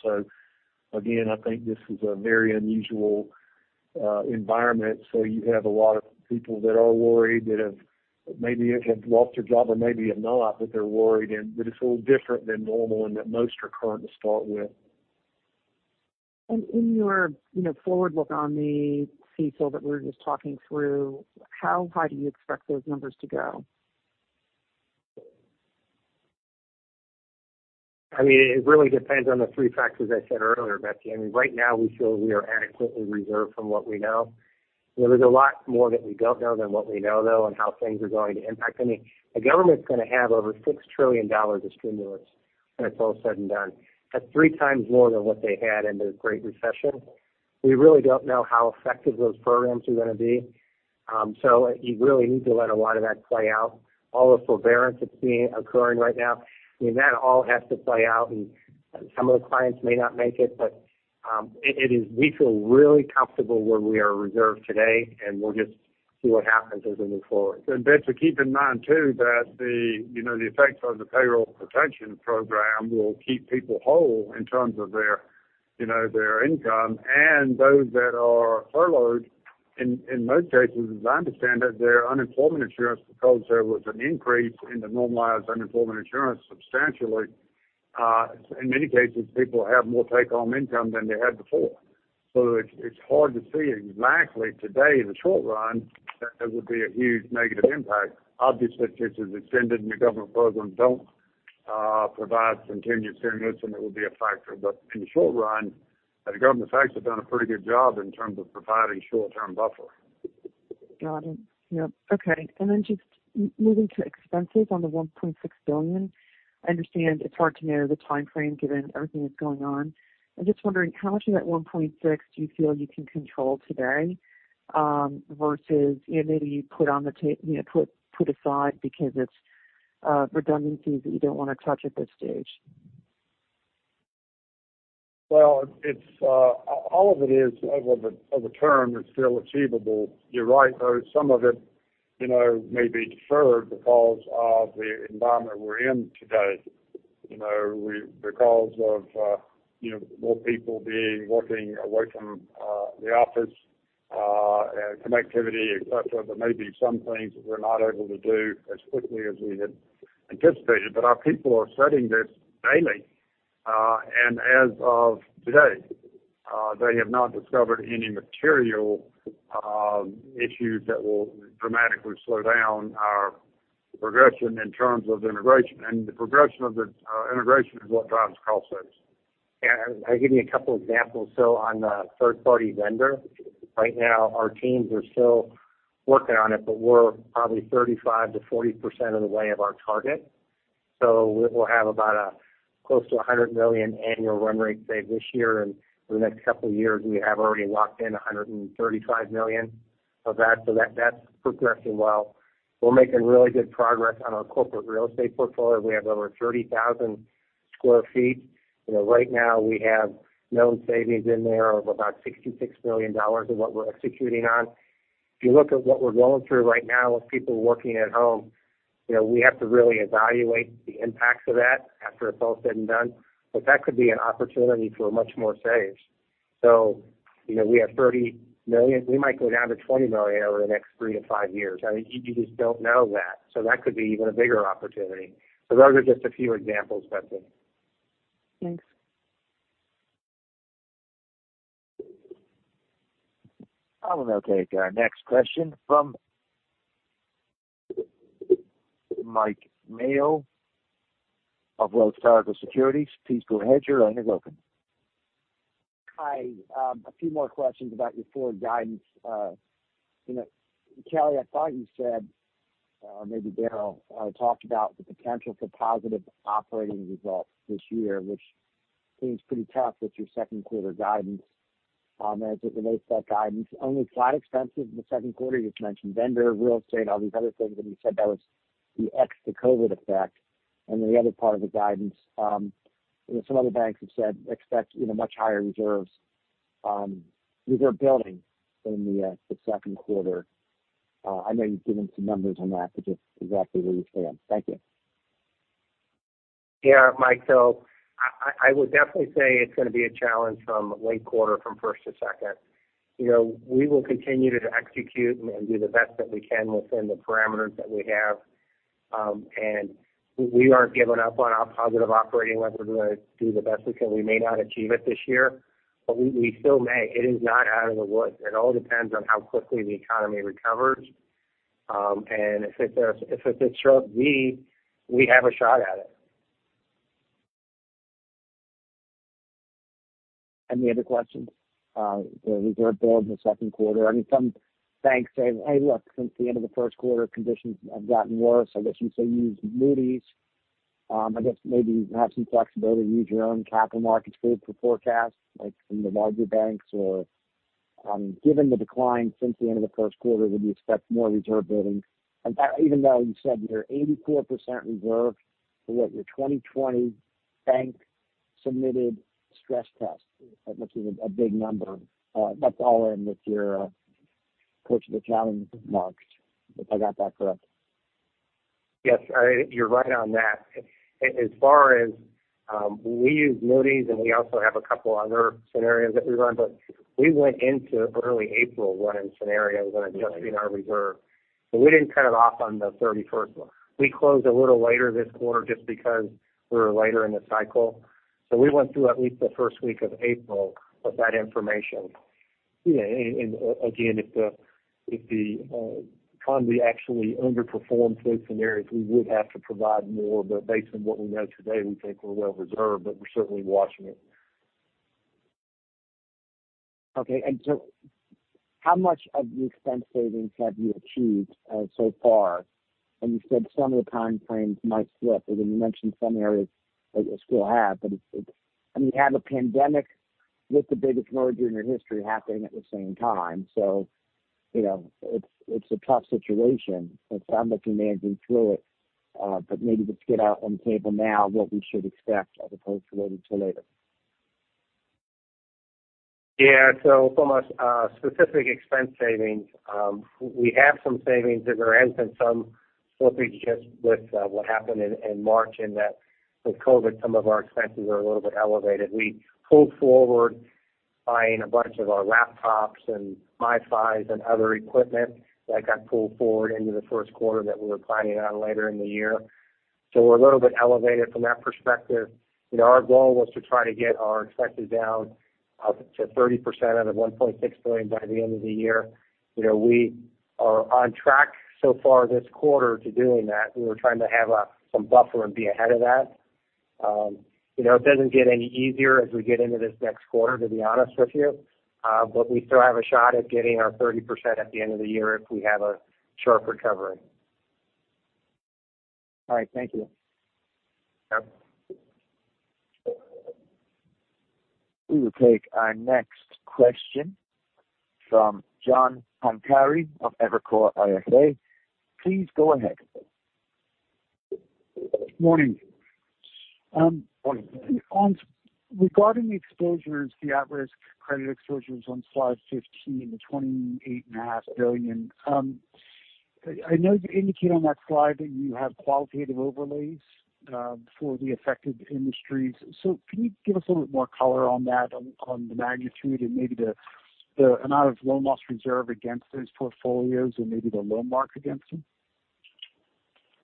Again, I think this is a very unusual environment. You have a lot of people that are worried that have maybe have lost their job or maybe have not, but they're worried, and that it's a little different than normal and that most are current to start with. In your forward look on the CECL that we were just talking through, how high do you expect those numbers to go? It really depends on the three factors I said earlier, Betsy. Right now, we feel we are adequately reserved from what we know. There is a lot more that we don't know than what we know, though, on how things are going to impact. The government's going to have over $6 trillion of stimulus when it's all said and done. That's 3x more than what they had in the Great Recession. You really need to let a lot of that play out. All the forbearance that's occurring right now, that all has to play out, and some of the clients may not make it. We feel really comfortable where we are reserved today, and we'll just see what happens as we move forward. Betsy, keep in mind, too, that the effects of the Paycheck Protection Program will keep people whole in terms of their income and those that are furloughed in most cases, as I understand it, their unemployment insurance, because there was an increase in the normalized unemployment insurance substantially. In many cases, people have more take-home income than they had before. It's hard to see exactly today in the short run that there would be a huge negative impact. Obviously, if this is extended and the government programs don't provide continued stimulus, then it will be a factor. In the short run, the government has actually done a pretty good job in terms of providing short-term buffer. Got it. Yep. Okay. Just moving to expenses on the $1.6 billion. I understand it's hard to know the timeframe given everything that's going on. I'm just wondering, how much of that $1.6 billion do you feel you can control today, versus maybe put aside because it's redundancies that you don't want to touch at this stage? Well, all of it is over the term is still achievable. You're right, though, some of it may be deferred because of the environment we're in today, because of more people working away from the office, connectivity, et cetera. There may be some things that we're not able to do as quickly as we had anticipated. Our people are studying this daily. As of today, they have not discovered any material issues that will dramatically slow down our progression in terms of integration. The progression of the integration is what drives cost savings. Yeah. I'll give you a couple examples. On the third-party vendor, right now our teams are still working on it, but we're probably 35%-40% of the way of our target. We'll have about close to $100 million annual run rate save this year. For the next couple of years, we have already locked in $135 million of that. That's progressing well. We're making really good progress on our corporate real estate portfolio. We have over 30,000 sq ft. Right now we have known savings in there of about $66 million of what we're executing on. If you look at what we're going through right now with people working at home, we have to really evaluate the impacts of that after it's all said and done. That could be an opportunity for much more saves. We have $30 million. We might go down to $20 million over the next three to five years. You just don't know that. That could be even a bigger opportunity. Those are just a few examples, Betsy. Thanks. I will now take our next question from Mike Mayo of Wells Fargo Securities. Please go ahead. Your line is open. Hi. A few more questions about your forward guidance. Kelly, I thought you said, or maybe Daryl talked about the potential for positive operating results this year, which seems pretty tough with your second quarter guidance. As it relates to that guidance, only applies extensive in the second quarter, you just mentioned vendor, real estate, all these other things, and you said that was the ex the COVID effect. The other part of the guidance, some other banks have said expect much higher reserves building in the second quarter. I know you've given some numbers on that, but just exactly where you stand. Thank you. Yeah, Mike. I would definitely say it's going to be a challenge from late quarter, from first to second. We will continue to execute and do the best that we can within the parameters that we have. We aren't giving up on our positive operating leverage. We're going to do the best we can. We may not achieve it this year, but we still may. It is not out of the woods. It all depends on how quickly the economy recovers. If it's a sharp V, we have a shot at it. Any other questions? The reserve build in the second quarter. Some banks say, "Hey, look, since the end of the first quarter, conditions have gotten worse." I guess you still use Moody's. I guess maybe you have some flexibility to use your own capital markets group for forecasts, like some of the larger banks. Given the decline since the end of the first quarter, would you expect more reserve building? Even though you said you're 84% reserved for what your 2020 bank-submitted stress test, which is a big number. That's all in with your purchase accounting marks, if I got that correct. Yes, you're right on that. As far as we use Moody's, and we also have a couple other scenarios that we run, but we went into early April running scenarios and adjusting our reserve. We didn't cut it off on the 31st. We closed a little later this quarter just because we were later in the cycle. We went through at least the first week of April with that information. Yeah. Again, if the economy actually underperforms those scenarios, we would have to provide more. Based on what we know today, we think we're well reserved, but we're certainly watching it. Okay. How much of the expense savings have you achieved so far? You said some of the time frames might slip, you mentioned some areas that you still have. You have a pandemic with the biggest merger in your history happening at the same time. It's a tough situation. It sounds like you're managing through it. Maybe let's get out on the table now what we should expect as opposed to waiting till later. Yeah. From a specific expense savings, we have some savings that are in, and some slippage just with what happened in March in that with COVID-19, some of our expenses are a little bit elevated. We pulled forward buying a bunch of our laptops and MiFi and other equipment that got pulled forward into the first quarter that we were planning on later in the year. We're a little bit elevated from that perspective. Our goal was to try to get our expenses down up to 30% out of $1.6 billion by the end of the year. We are on track so far this quarter to doing that. We were trying to have some buffer and be ahead of that. It doesn't get any easier as we get into this next quarter, to be honest with you. We still have a shot at getting our 30% at the end of the year if we have a sharp recovery. All right. Thank you. Yep. We will take our next question from John Pancari of Evercore ISI. Please go ahead. Morning. Morning. Regarding the exposures, the at-risk credit exposures on slide 15, the $28.5 billion, I know you indicate on that slide that you have qualitative overlays for the affected industries. Can you give us a little bit more color on that, on the magnitude and maybe the amount of loan loss reserve against those portfolios or maybe the loan mark against them?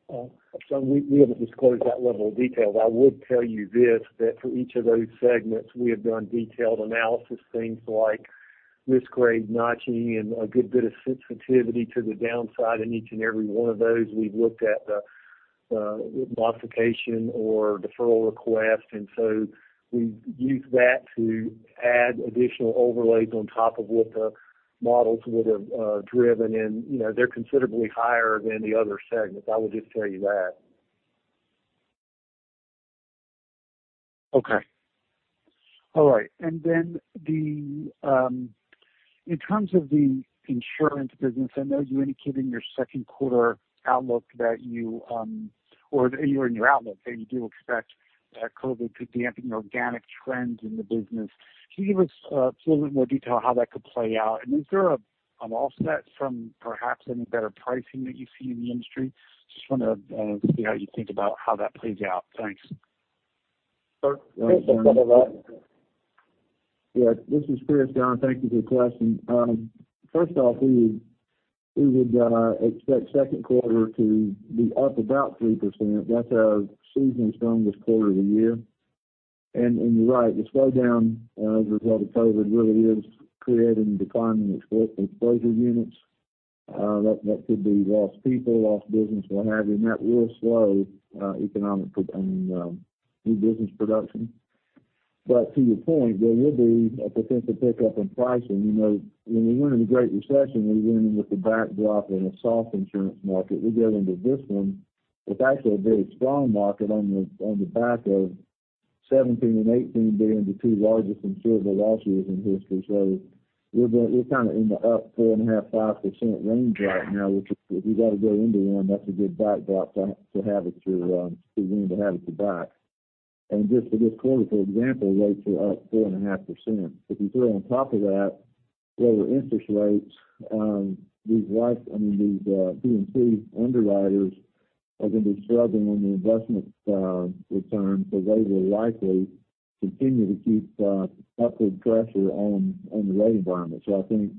We haven't disclosed that level of detail. I would tell you this, that for each of those segments, we have done detailed analysis, things like risk grade notching and a good bit of sensitivity to the downside in each and every one of those. We've looked at the modification or deferral request, and so we've used that to add additional overlays on top of what the models would have driven, and they're considerably higher than the other segments. I will just tell you that. Okay. All right. In terms of the insurance business, I know you indicated in your second quarter outlook that you do expect that COVID could dampen organic trends in the business. Can you give us a little bit more detail how that could play out? Is there an offset from perhaps any better pricing that you see in the industry? Just want to see how you think about how that plays out. Thanks. Sure. Chris, take that one. Yeah. This is Chris, John. Thank Thank you for the question. First off, we would expect second quarter to be up about 3%. That's our season's strongest quarter of the year. You're right, the slowdown as a result of COVID really is creating declining exposure units. That could be lost people, lost business, what have you, and that will slow economic and new business production. To your point, there will be a potential pickup in pricing. When we went into the Great Recession, we went in with the backdrop in a soft insurance market. We go into this one with actually a very strong market on the back of 2017 and 2018 being the two largest insured losses in history. We're kind of in the up 4.5%-5% range right now, which if you got to go into one, that's a good backdrop to have at your back. Just for this quarter, for example, rates are up 4.5%. If you throw on top of that lower interest rates, these P&C underwriters are going to be struggling on the investment returns, so they will likely continue to keep upward pressure on the rate environment. I think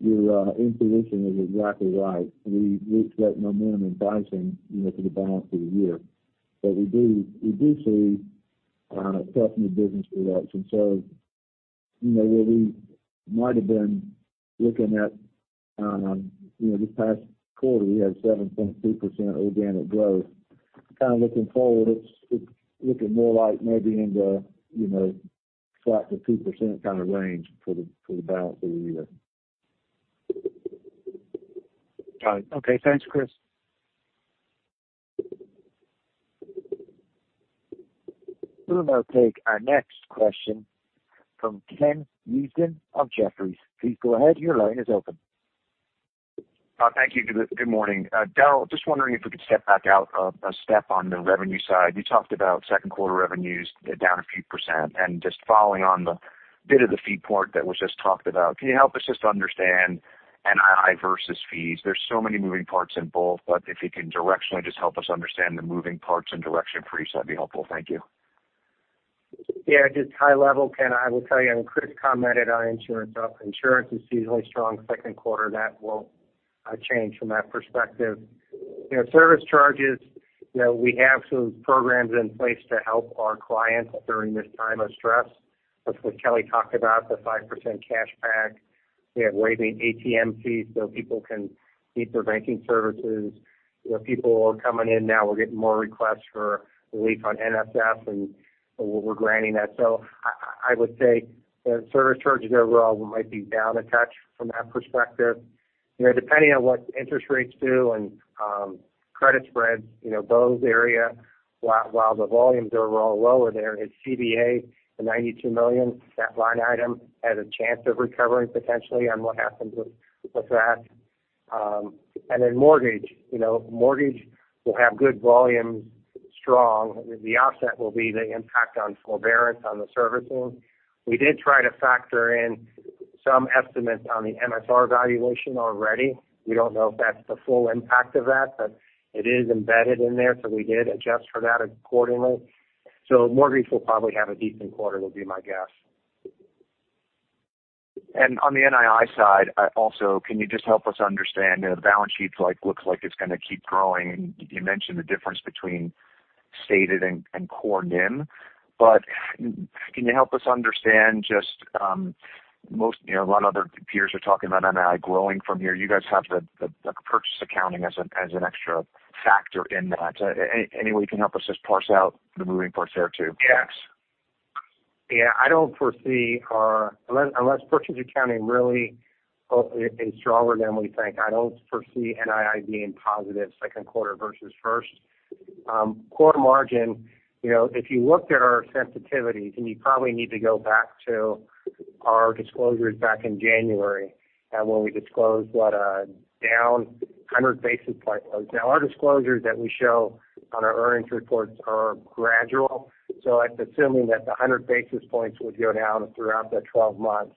your intuition is exactly right. We expect momentum in pricing for the balance of the year. We do see a tough new business production. Where we might have been looking at this past quarter, we had 7.3% organic growth. Kind of looking forward, it's looking more like maybe in the flat to 2% kind of range for the balance of the year. Got it. Okay. Thanks, Chris. We will now take our next question from Ken Usdin of Jefferies. Please go ahead, your line is open. Thank you. Good morning. Daryl, just wondering if we could step back out a step on the revenue side. You talked about second quarter revenues down a few percent, just following on the bit of the fee part that was just talked about, can you help us just understand NII versus fees? There's so many moving parts in both, if you can directionally just help us understand the moving parts and direction for each, that'd be helpful. Thank you. Yeah, just high level, Ken, I will tell you, and Chris commented on insurance. Insurance is seasonally strong second quarter. That won't change from that perspective. Service charges, we have some programs in place to help our clients during this time of stress. That's what Kelly talked about, the 5% cashback. We have waiving ATM fees so people can keep their banking services. People are coming in now. We're getting more requests for relief on NSF. We're granting that. I would say service charges overall might be down a touch from that perspective. Depending on what interest rates do and credit spreads, those areas, while the volumes are all lower there, is CVA, the $92 million, that line item has a chance of recovering potentially on what happens with that. Then mortgage. Mortgage will have good volumes Strong. The offset will be the impact on forbearance on the servicing. We did try to factor in some estimates on the MSR valuation already. We don't know if that's the full impact of that, but it is embedded in there, so we did adjust for that accordingly. Mortgage will probably have a decent quarter would be my guess. On the NII side, also, can you just help us understand, the balance sheet looks like it's going to keep growing? You mentioned the difference between stated and core NIM. Can you help us understand? A lot of other peers are talking about NII growing from here. You guys have the purchase accounting as an extra factor in that. Any way you can help us just parse out the moving parts there too? Yes. I don't foresee unless purchase accounting really is stronger than we think, I don't foresee NII being positive second quarter versus first. Core margin, if you looked at our sensitivities, and you probably need to go back to our disclosures back in January when we disclosed what a down 100 basis point was. Our disclosures that we show on our earnings reports are gradual. That's assuming that the 100 basis points would go down throughout the 12 months.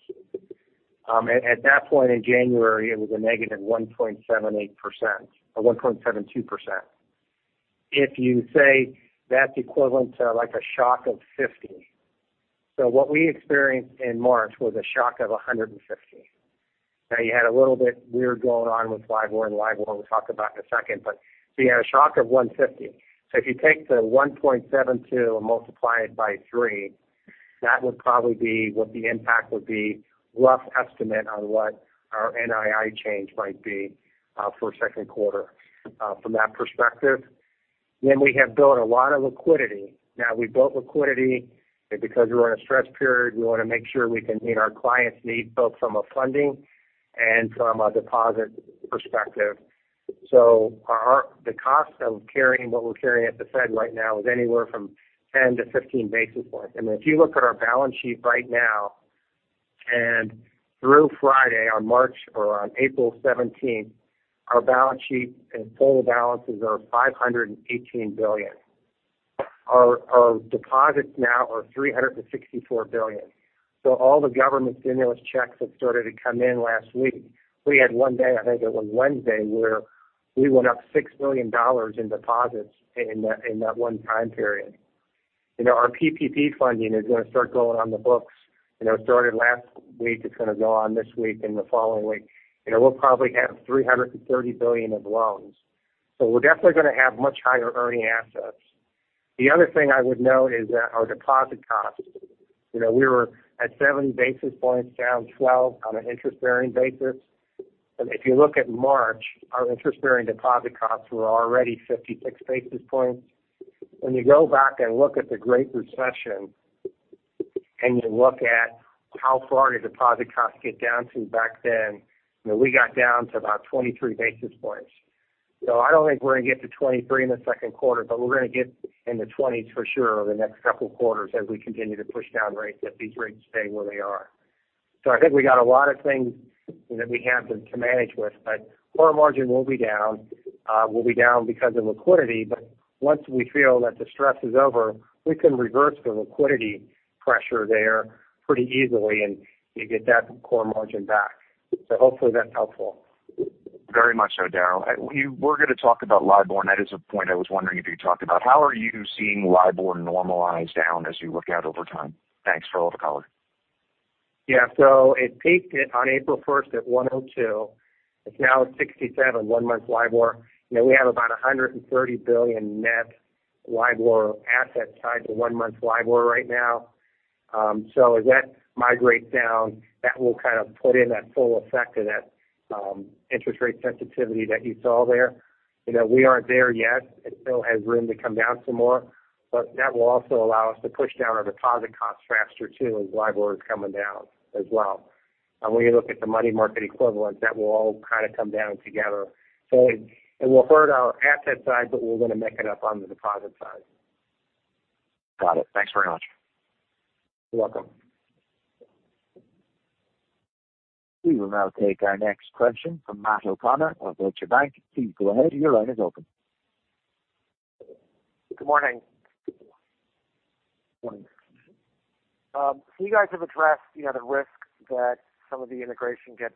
At that point in January, it was a negative 1.78%, or 1.72%. If you say that's equivalent to like a shock of 50 basis points. What we experienced in March was a shock of 150 basis points. You had a little bit weird going on with LIBOR and LIBOR we'll talk about in a second, but so you had a shock of 150 basis points. If you take the 1.72% and multiply it by three, that would probably be what the impact would be, rough estimate on what our NII change might be for second quarter from that perspective. We have built a lot of liquidity. Now we built liquidity because we were in a stress period. We want to make sure we can meet our clients' needs, both from a funding and from a deposit perspective. The cost of carrying what we're carrying at the Fed right now is anywhere from 10 basis points-15 basis points. If you look at our balance sheet right now and through Friday on March or on April 17th, our balance sheet and total balances are $518 billion. Our deposits now are $364 billion. All the government stimulus checks have started to come in last week. We had one day, I think it was Wednesday, where we went up $6 billion in deposits in that one time period. Our PPP funding is going to start going on the books. It started last week. It's going to go on this week and the following week. We'll probably have $330 billion of loans. We're definitely going to have much higher earning assets. The other thing I would note is that our deposit costs, we were at 70 basis points down 12 on an interest-bearing basis. If you look at March, our interest-bearing deposit costs were already 56 basis points. When you go back and look at the Great Recession, and you look at how far did deposit costs get down to back then, we got down to about 23 basis points. I don't think we're going to get to 23 basis points in the second quarter, but we're going to get in the 20s basis points for sure over the next couple of quarters as we continue to push down rates if these rates stay where they are. I think we got a lot of things that we have to manage with, but core margin will be down. We'll be down because of liquidity, but once we feel that the stress is over, we can reverse the liquidity pressure there pretty easily and get that core margin back. Hopefully that's helpful. Very much so, Daryl. We were going to talk about LIBOR, and that is a point I was wondering if you'd talk about. How are you seeing LIBOR normalize down as you look out over time? Thanks for all the color. It peaked on April 1st at 102 basis points. It's now at 67 basis points, one-month LIBOR. We have about $130 billion net LIBOR assets tied to one-month LIBOR right now. As that migrates down, that will kind of put in that full effect of that interest rate sensitivity that you saw there. We aren't there yet. It still has room to come down some more. That will also allow us to push down our deposit costs faster too as LIBOR is coming down as well. When you look at the money market equivalent, that will all kind of come down together. It will hurt our asset side, but we're going to make it up on the deposit side. Got it. Thanks very much. You're welcome. We will now take our next question from Matthew O'Connor of Deutsche Bank. Please go ahead, your line is open. Good morning. Morning. You guys have addressed the risk that some of the integration gets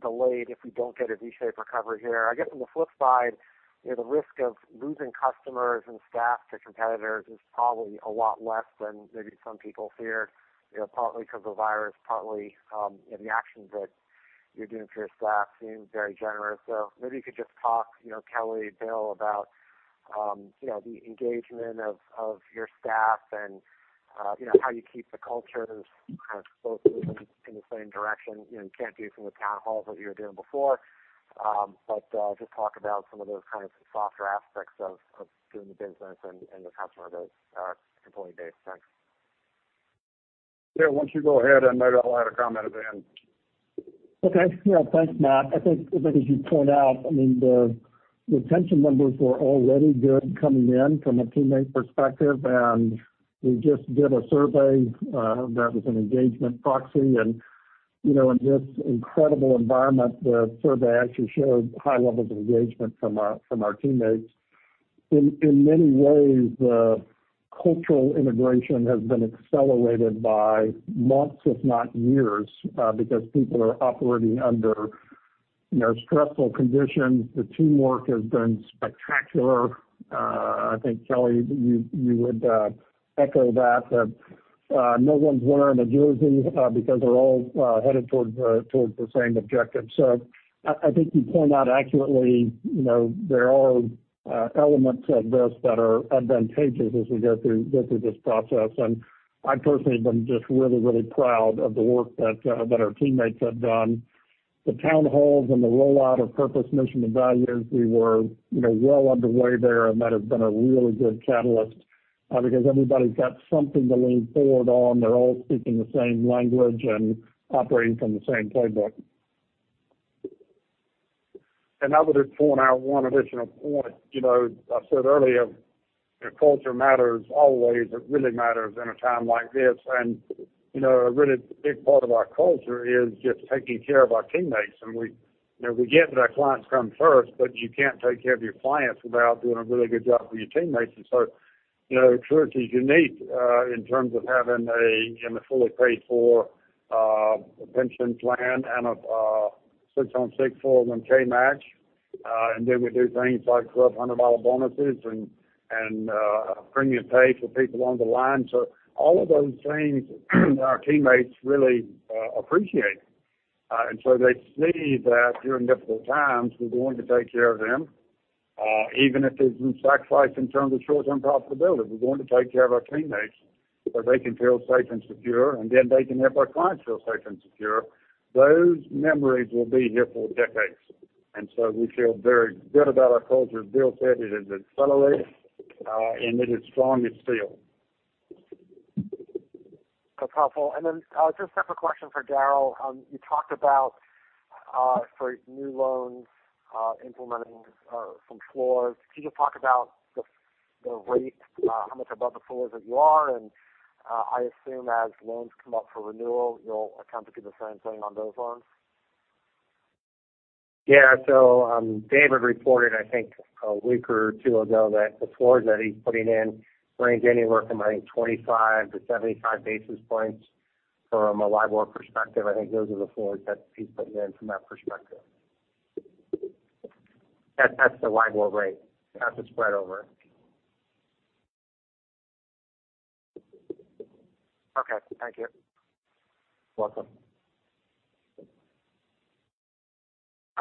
delayed if we don't get a V-shaped recovery here. I guess on the flip side, the risk of losing customers and staff to competitors is probably a lot less than maybe some people feared, partly because of the virus, partly the actions that you're doing for your staff seem very generous. Maybe you could just talk, Kelly, Bill, about the engagement of your staff and how you keep the cultures kind of focused in the same direction. You can't do from the town halls that you were doing before. Just talk about some of those kind of softer aspects of doing the business and the customer base, employee base. Thanks. Bill, why don't you go ahead? I might also have a comment at the end. Okay. Yeah. Thanks, Matt. I think as you point out, I mean, the retention numbers were already good coming in from a teammate perspective, and we just did a survey that was an engagement proxy and In this incredible environment, the survey actually showed high levels of engagement from our teammates. In many ways, the cultural integration has been accelerated by months, if not years, because people are operating under stressful conditions. The teamwork has been spectacular. I think, Kelly, you would echo that. No one's wearing a jersey because they're all headed towards the same objective. I think you point out accurately, there are elements of this that are advantageous as we go through this process. I personally have been just really, really proud of the work that our teammates have done. The town halls and the rollout of purpose, mission, and values, we were well underway there, and that has been a really good catalyst because everybody's got something to lean forward on. They're all speaking the same language and operating from the same playbook. I would just point out one additional point. I said earlier, culture matters always. It really matters in a time like this. A really big part of our culture is just taking care of our teammates. We get that our clients come first, but you can't take care of your clients without doing a really good job for your teammates. Truist is unique in terms of having a fully paid for pension plan and A 6% on 6% 401(k) match. Then we do things like $1,200 bonuses and premium pay for people on the line. All of those things our teammates really appreciate. They see that during difficult times, we're going to take care of them even if there's been sacrifice in terms of short-term profitability. We're going to take care of our teammates so they can feel safe and secure, and then they can help our clients feel safe and secure. Those memories will be here for decades. So we feel very good about our culture. Bill said it is accelerated, and it is strong as steel. That's helpful. Just separate question for Daryl. You talked about for new loans implementing some floors. Can you talk about the rate, how much above the floors that you are? I assume as loans come up for renewal, you'll attempt to do the same thing on those loans. Yeah. David reported, I think a week or two weeks ago, that the floors that he's putting in range anywhere from, I think, 25 basis points-75 basis points from a LIBOR perspective. I think those are the floors that he's putting in from that perspective. That's the LIBOR rate. That's the spread over. Okay. Thank you. You're welcome.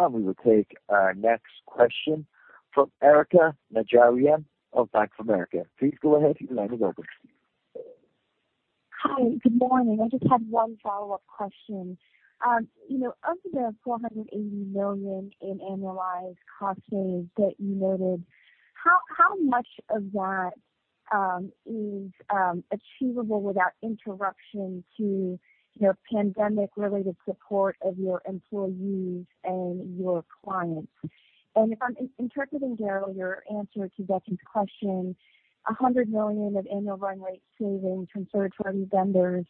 We will take our next question from Erika Najarian of Bank of America. Please go ahead. Your line is open. Hi. Good morning. I just had one follow-up question. Of the $480 million in annualized cost savings that you noted, how much of that is achievable without interruption to pandemic-related support of your employees and your clients? If I'm interpreting, Daryl, your answer to Betsy's question, $100 million of annual run rate savings from third-party vendors,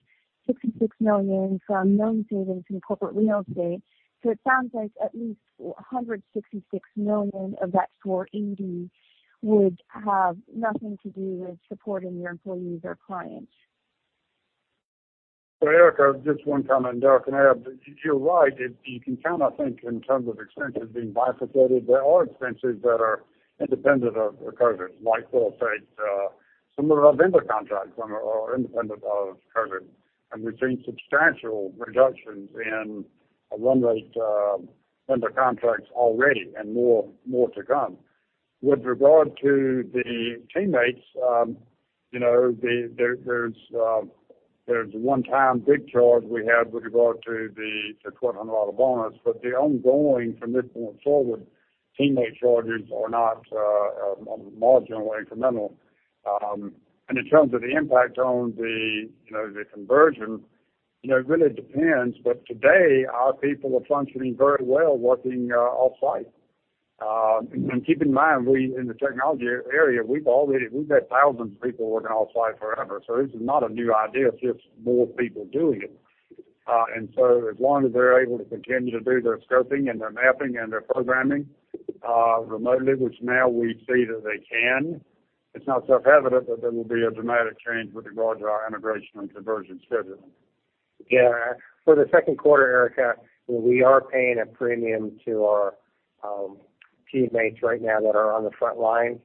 $66 million from loan savings in corporate real estate. It sounds like at least $166 million of that $480 would have nothing to do with supporting your employees or clients. Erika, just one comment, Daryl can add, but you're right. You can count, I think, in terms of expenses being bifurcated. There are expenses that are independent of COVID, like for sake, some of our vendor contracts are independent of COVID. We've seen substantial reductions in run rate vendor contracts already and more to come. With regard to the teammates, there's a one-time big charge we had with regard to the $1,200 bonus. The ongoing from this point forward, teammate charges are not marginal or incremental. In terms of the impact on the conversion, it really depends. Today, our people are functioning very well working off-site. Keep in mind, we in the technology area, we've had thousands of people working off-site forever. This is not a new idea, it's just more people doing it. As long as they're able to continue to do their scoping and their mapping and their programming remotely, which now we see that they can, it's not self-evident that there will be a dramatic change with regard to our integration and conversion schedule. Yeah. For the second quarter, Erika, we are paying a premium to our teammates right now that are on the front line.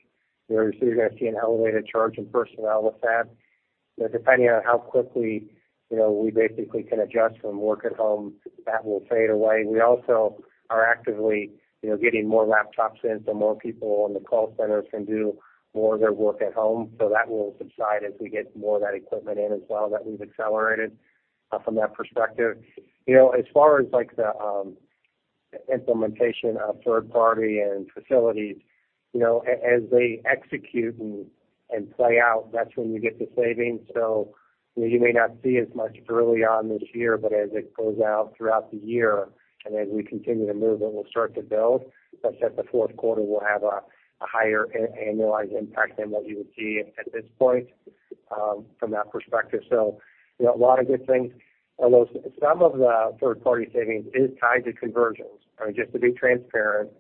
You're going to see an elevated charge in personnel with that. Depending on how quickly we basically can adjust from work at home, that will fade away. We also are actively getting more laptops in so more people in the call centers can do more of their work at home. That will subside as we get more of that equipment in as well that we've accelerated from that perspective. As far as like the implementation of third party and facilities, as they execute and play out, that's when you get the savings. You may not see as much early on this year, but as it goes out throughout the year and as we continue to move, it will start to build such that the fourth quarter will have a higher annualized impact than what you would see at this point from that perspective. A lot of good things. Although some of the third-party savings is tied to conversions. Just to be transparent,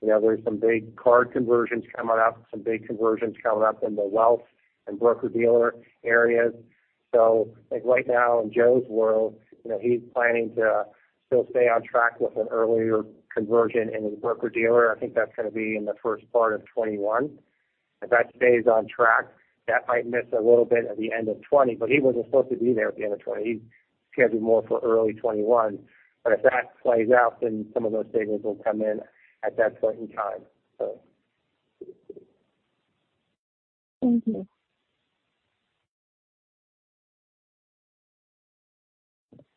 there are some big card conversions coming up, some big conversions coming up in the wealth and broker-dealer areas. Right now, in Joe's world, he's planning to still stay on track with an earlier conversion in his broker-dealer. I think that's going to be in the first part of 2021. If that stays on track, that might miss a little bit at the end of 2020, but he wasn't supposed to be there at the end of 2020. He's scheduled more for early 2021. If that plays out, then some of those savings will come in at that point in time. Thank you.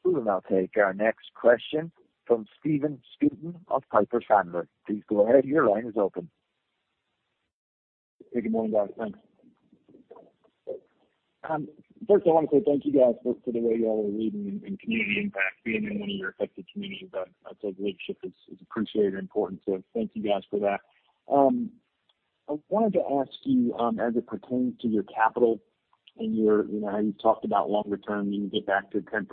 We will now take our next question from Stephen Scouten of Piper Sandler. Please go ahead, your line is open. Good morning, guys. Thanks. First I want to say thank you, guys, for the way you all are leading in community impact, being in one of your affected communities. That leadership is appreciated and important. Thank you, guys, for that. I wanted to ask you, as it pertains to your capital and how you've talked about longer term, needing to get back to 10%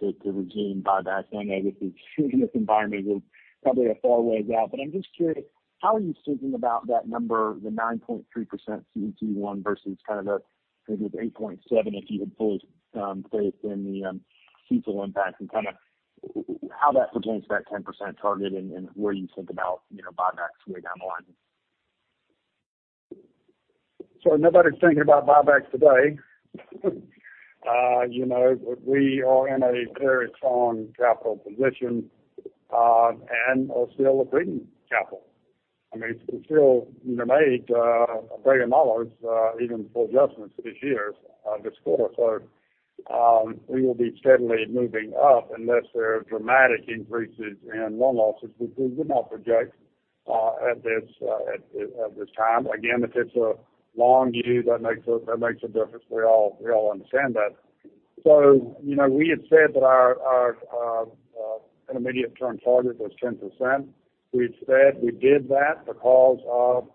to regain buybacks. I know with the current environment, we're probably a far ways out. I'm just curious, how are you thinking about that number, the 9.3% CET1 versus the maybe the 8.7% if you had fully stayed within the CECL impact, and how that pertains to that 10% target and where you think about buybacks way down the line? Nobody's thinking about buybacks today. We are in a very strong capital position, and we're still a growing capital. We still made $1 billion even before adjustments this year, our core. We will be steadily moving up unless there are dramatic increases in loan losses, which we do not project at this time. Again, if it's a long view, that makes a difference. We all understand that. We had said that our intermediate-term target was 10%. We've said we did that because of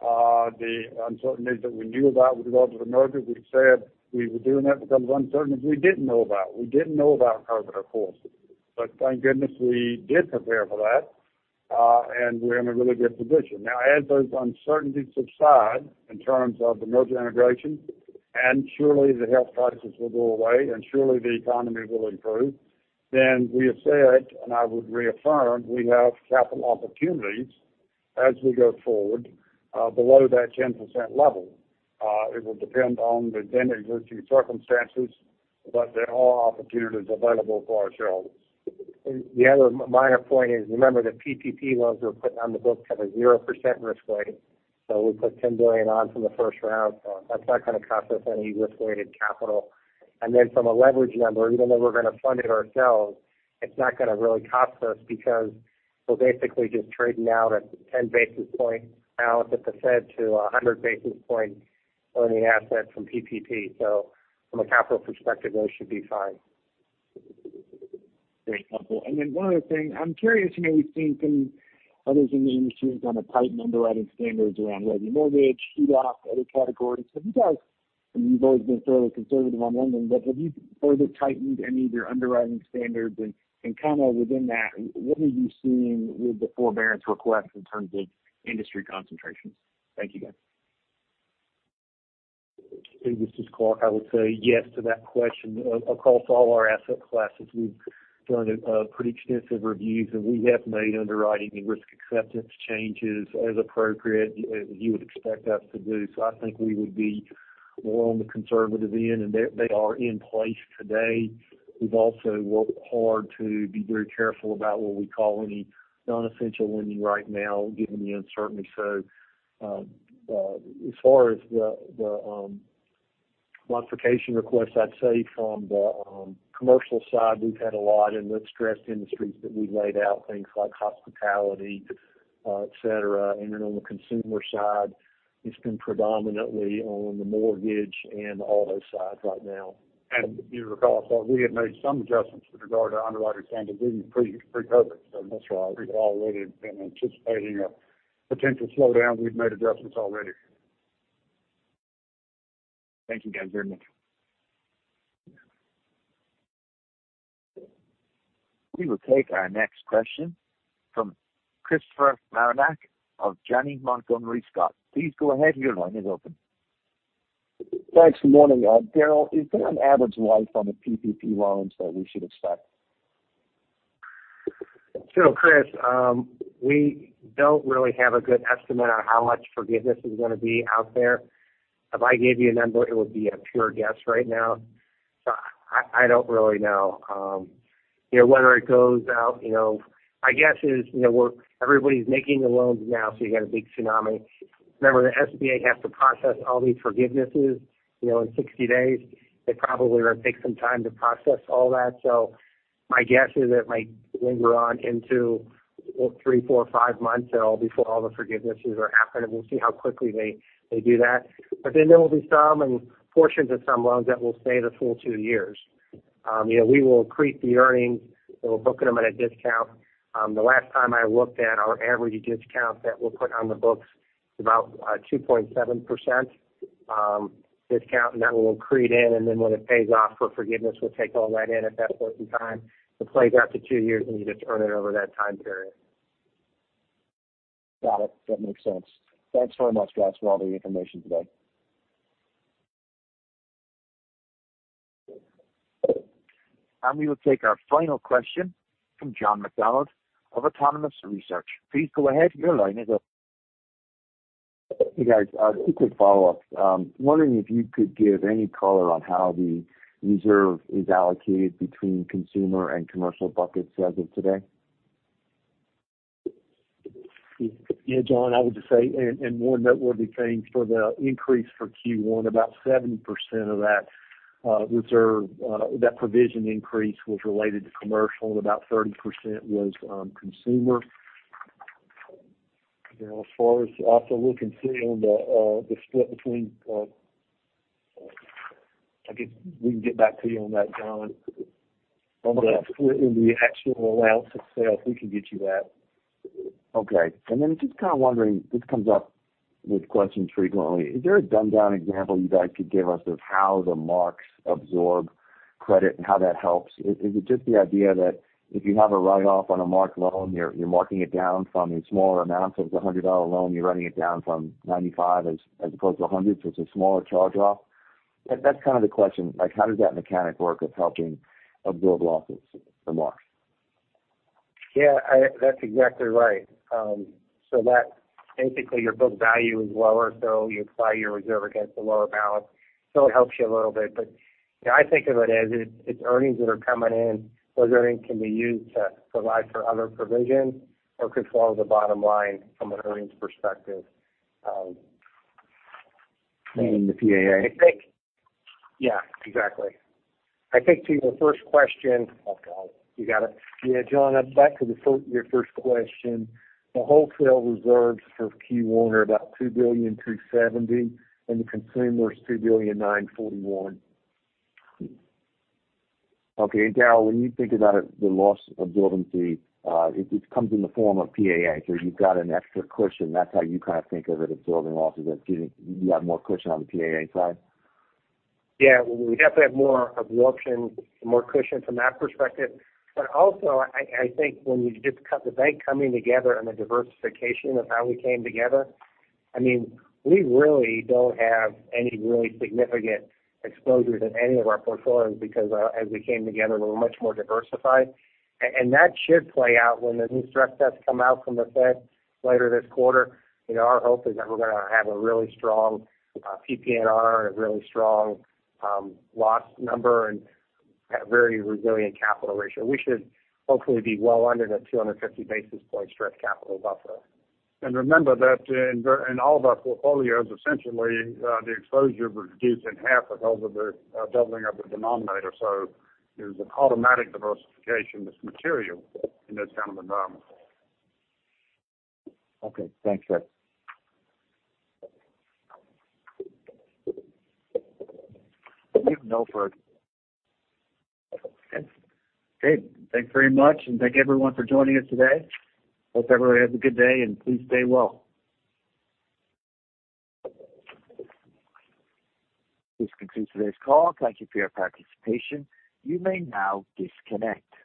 the uncertainties that we knew about with regard to the merger. We've said we were doing that because of uncertainties we didn't know about. We didn't know about Coronavirus. Thank goodness we did prepare for that. We're in a really good position. As those uncertainties subside in terms of the merger integration, and surely the health crisis will go away, and surely the economy will improve, we have said, and I would reaffirm, we have capital opportunities as we go forward below that 10% level. It will depend on the then existing circumstances, there are opportunities available for ourselves. The other minor point is, remember, the PPP loans we're putting on the books have a 0% risk weight. We put $10 billion on from the first round. That's not going to cost us any risk-weighted capital. From a leverage number, even though we're going to fund it ourselves, it's not going to really cost us because we're basically just trading out at 10 basis points balance at the Fed to 100 basis points on the asset from Paycheck Protection Program. From a capital perspective, those should be fine. Great. Helpful. One other thing. I'm curious, we've seen some others in the industry have kind of tightened underwriting standards around legacy mortgage, other categories. Have you guys, I mean, you've always been fairly conservative on lending, have you further tightened any of your underwriting standards? Within that, what are you seeing with the forbearance requests in terms of industry concentrations? Thank you, guys. This is Clarke. I would say yes to that question. Across all our asset classes, we've done pretty extensive reviews, and we have made underwriting and risk acceptance changes as appropriate, as you would expect us to do. I think we would be more on the conservative end, and they are in place today. We've also worked hard to be very careful about what we call any non-essential lending right now given the uncertainty. As far as the modification requests, I'd say from the commercial side, we've had a lot in the stressed industries that we've laid out, things like hospitality, et cetera. On the consumer side, it's been predominantly on the mortgage and auto sides right now. You recall, I thought we had made some adjustments with regard to our underwriting standards even pre-COVID. In this regard, we've already been anticipating a potential slowdown. We've made adjustments already. Thank you, guys, very much. We will take our next question from Christopher Marinac of Janney Montgomery Scott. Please go ahead, your line is open. Thanks, good morning. Daryl, is there an average life on the Paycheck Protection Program loans that we should expect? Chris, we don't really have a good estimate on how much forgiveness is going to be out there. If I gave you a number, it would be a pure guess right now. I don't really know. My guess is everybody's making the loans now, you got a big tsunami. Remember, the SBA has to process all these forgivenesses in 60 days. They probably are going to take some time to process all that. My guess is it might linger on into three, four, five months before all the forgivenesses are happening. We'll see how quickly they do that. There will be some and portions of some loans that will stay the full two years. We will accrete the earnings. We're booking them at a discount The last time I looked at our average discount that we'll put on the books, it's about 2.7% discount, and that will accrete in, and then when it pays off for forgiveness, we'll take all that in at that point in time. It plays out to two years, and you just earn it over that time period. Got it. That makes sense. Thanks very much, guys, for all the information today. We will take our final question from John McDonald of Autonomous Research. Please go ahead. Your line is open. Hey, guys. A quick follow-up. I'm wondering if you could give any color on how the reserve is allocated between consumer and commercial buckets as of today. Yeah, John, I would just say, one noteworthy change for the increase for Q1, about 70% of that reserve, that provision increase was related to commercial, and about 30% was consumer. I guess we can get back to you on that, John. On the split in the actual allowance itself, we can get you that. Okay. Just kind of wondering, this comes up with questions frequently. Is there a dumbed-down example you guys could give us of how the marks absorb credit and how that helps? Is it just the idea that if you have a write-off on a marked loan, you're marking it down from a smaller amount? If it's a $100 loan, you're writing it down from $95 as opposed to $100, so it's a smaller charge-off? That's kind of the question. How does that mechanic work with helping absorb losses, the marks? Yeah, that's exactly right. That basically your book value is lower, so you apply your reserve against the lower balance. It helps you a little bit. I think of it as, it's earnings that are coming in. Those earnings can be used to provide for other provision or control the bottom line from an earnings perspective. You mean the PAA? Yeah, exactly. I think to your first question. I've got it. You got it? Yeah, John, back to your first question. The wholesale reserves for Q1 are about $2.27 billion, and the consumer is $2.941 billion. Okay. Daryl, when you think about it, the loss absorbency, it comes in the form of PAA. You've got an extra cushion. That's how you kind of think of it, absorbing losses, that you have more cushion on the PAA side? We definitely have more absorption, more cushion from that perspective. I think when you just cut the bank coming together and the diversification of how we came together, we really don't have any really significant exposures in any of our portfolios because, as we came together, we're much more diversified. That should play out when the new stress tests come out from the Fed later this quarter. Our hope is that we're going to have a really strong PPNR and a really strong loss number and a very resilient capital ratio. We should hopefully be well under the 250 basis point stress capital buffer. Remember that in all of our portfolios, essentially, the exposure was reduced in half because of the doubling of the denominator. There's an automatic diversification that's material in this kind of environment. Okay. Thanks, guys. We have no further questions. Okay. Great. Thanks very much. Thank everyone for joining us today. Hope everyone has a good day. Please stay well. This concludes today's call. Thank you for your participation. You may now disconnect.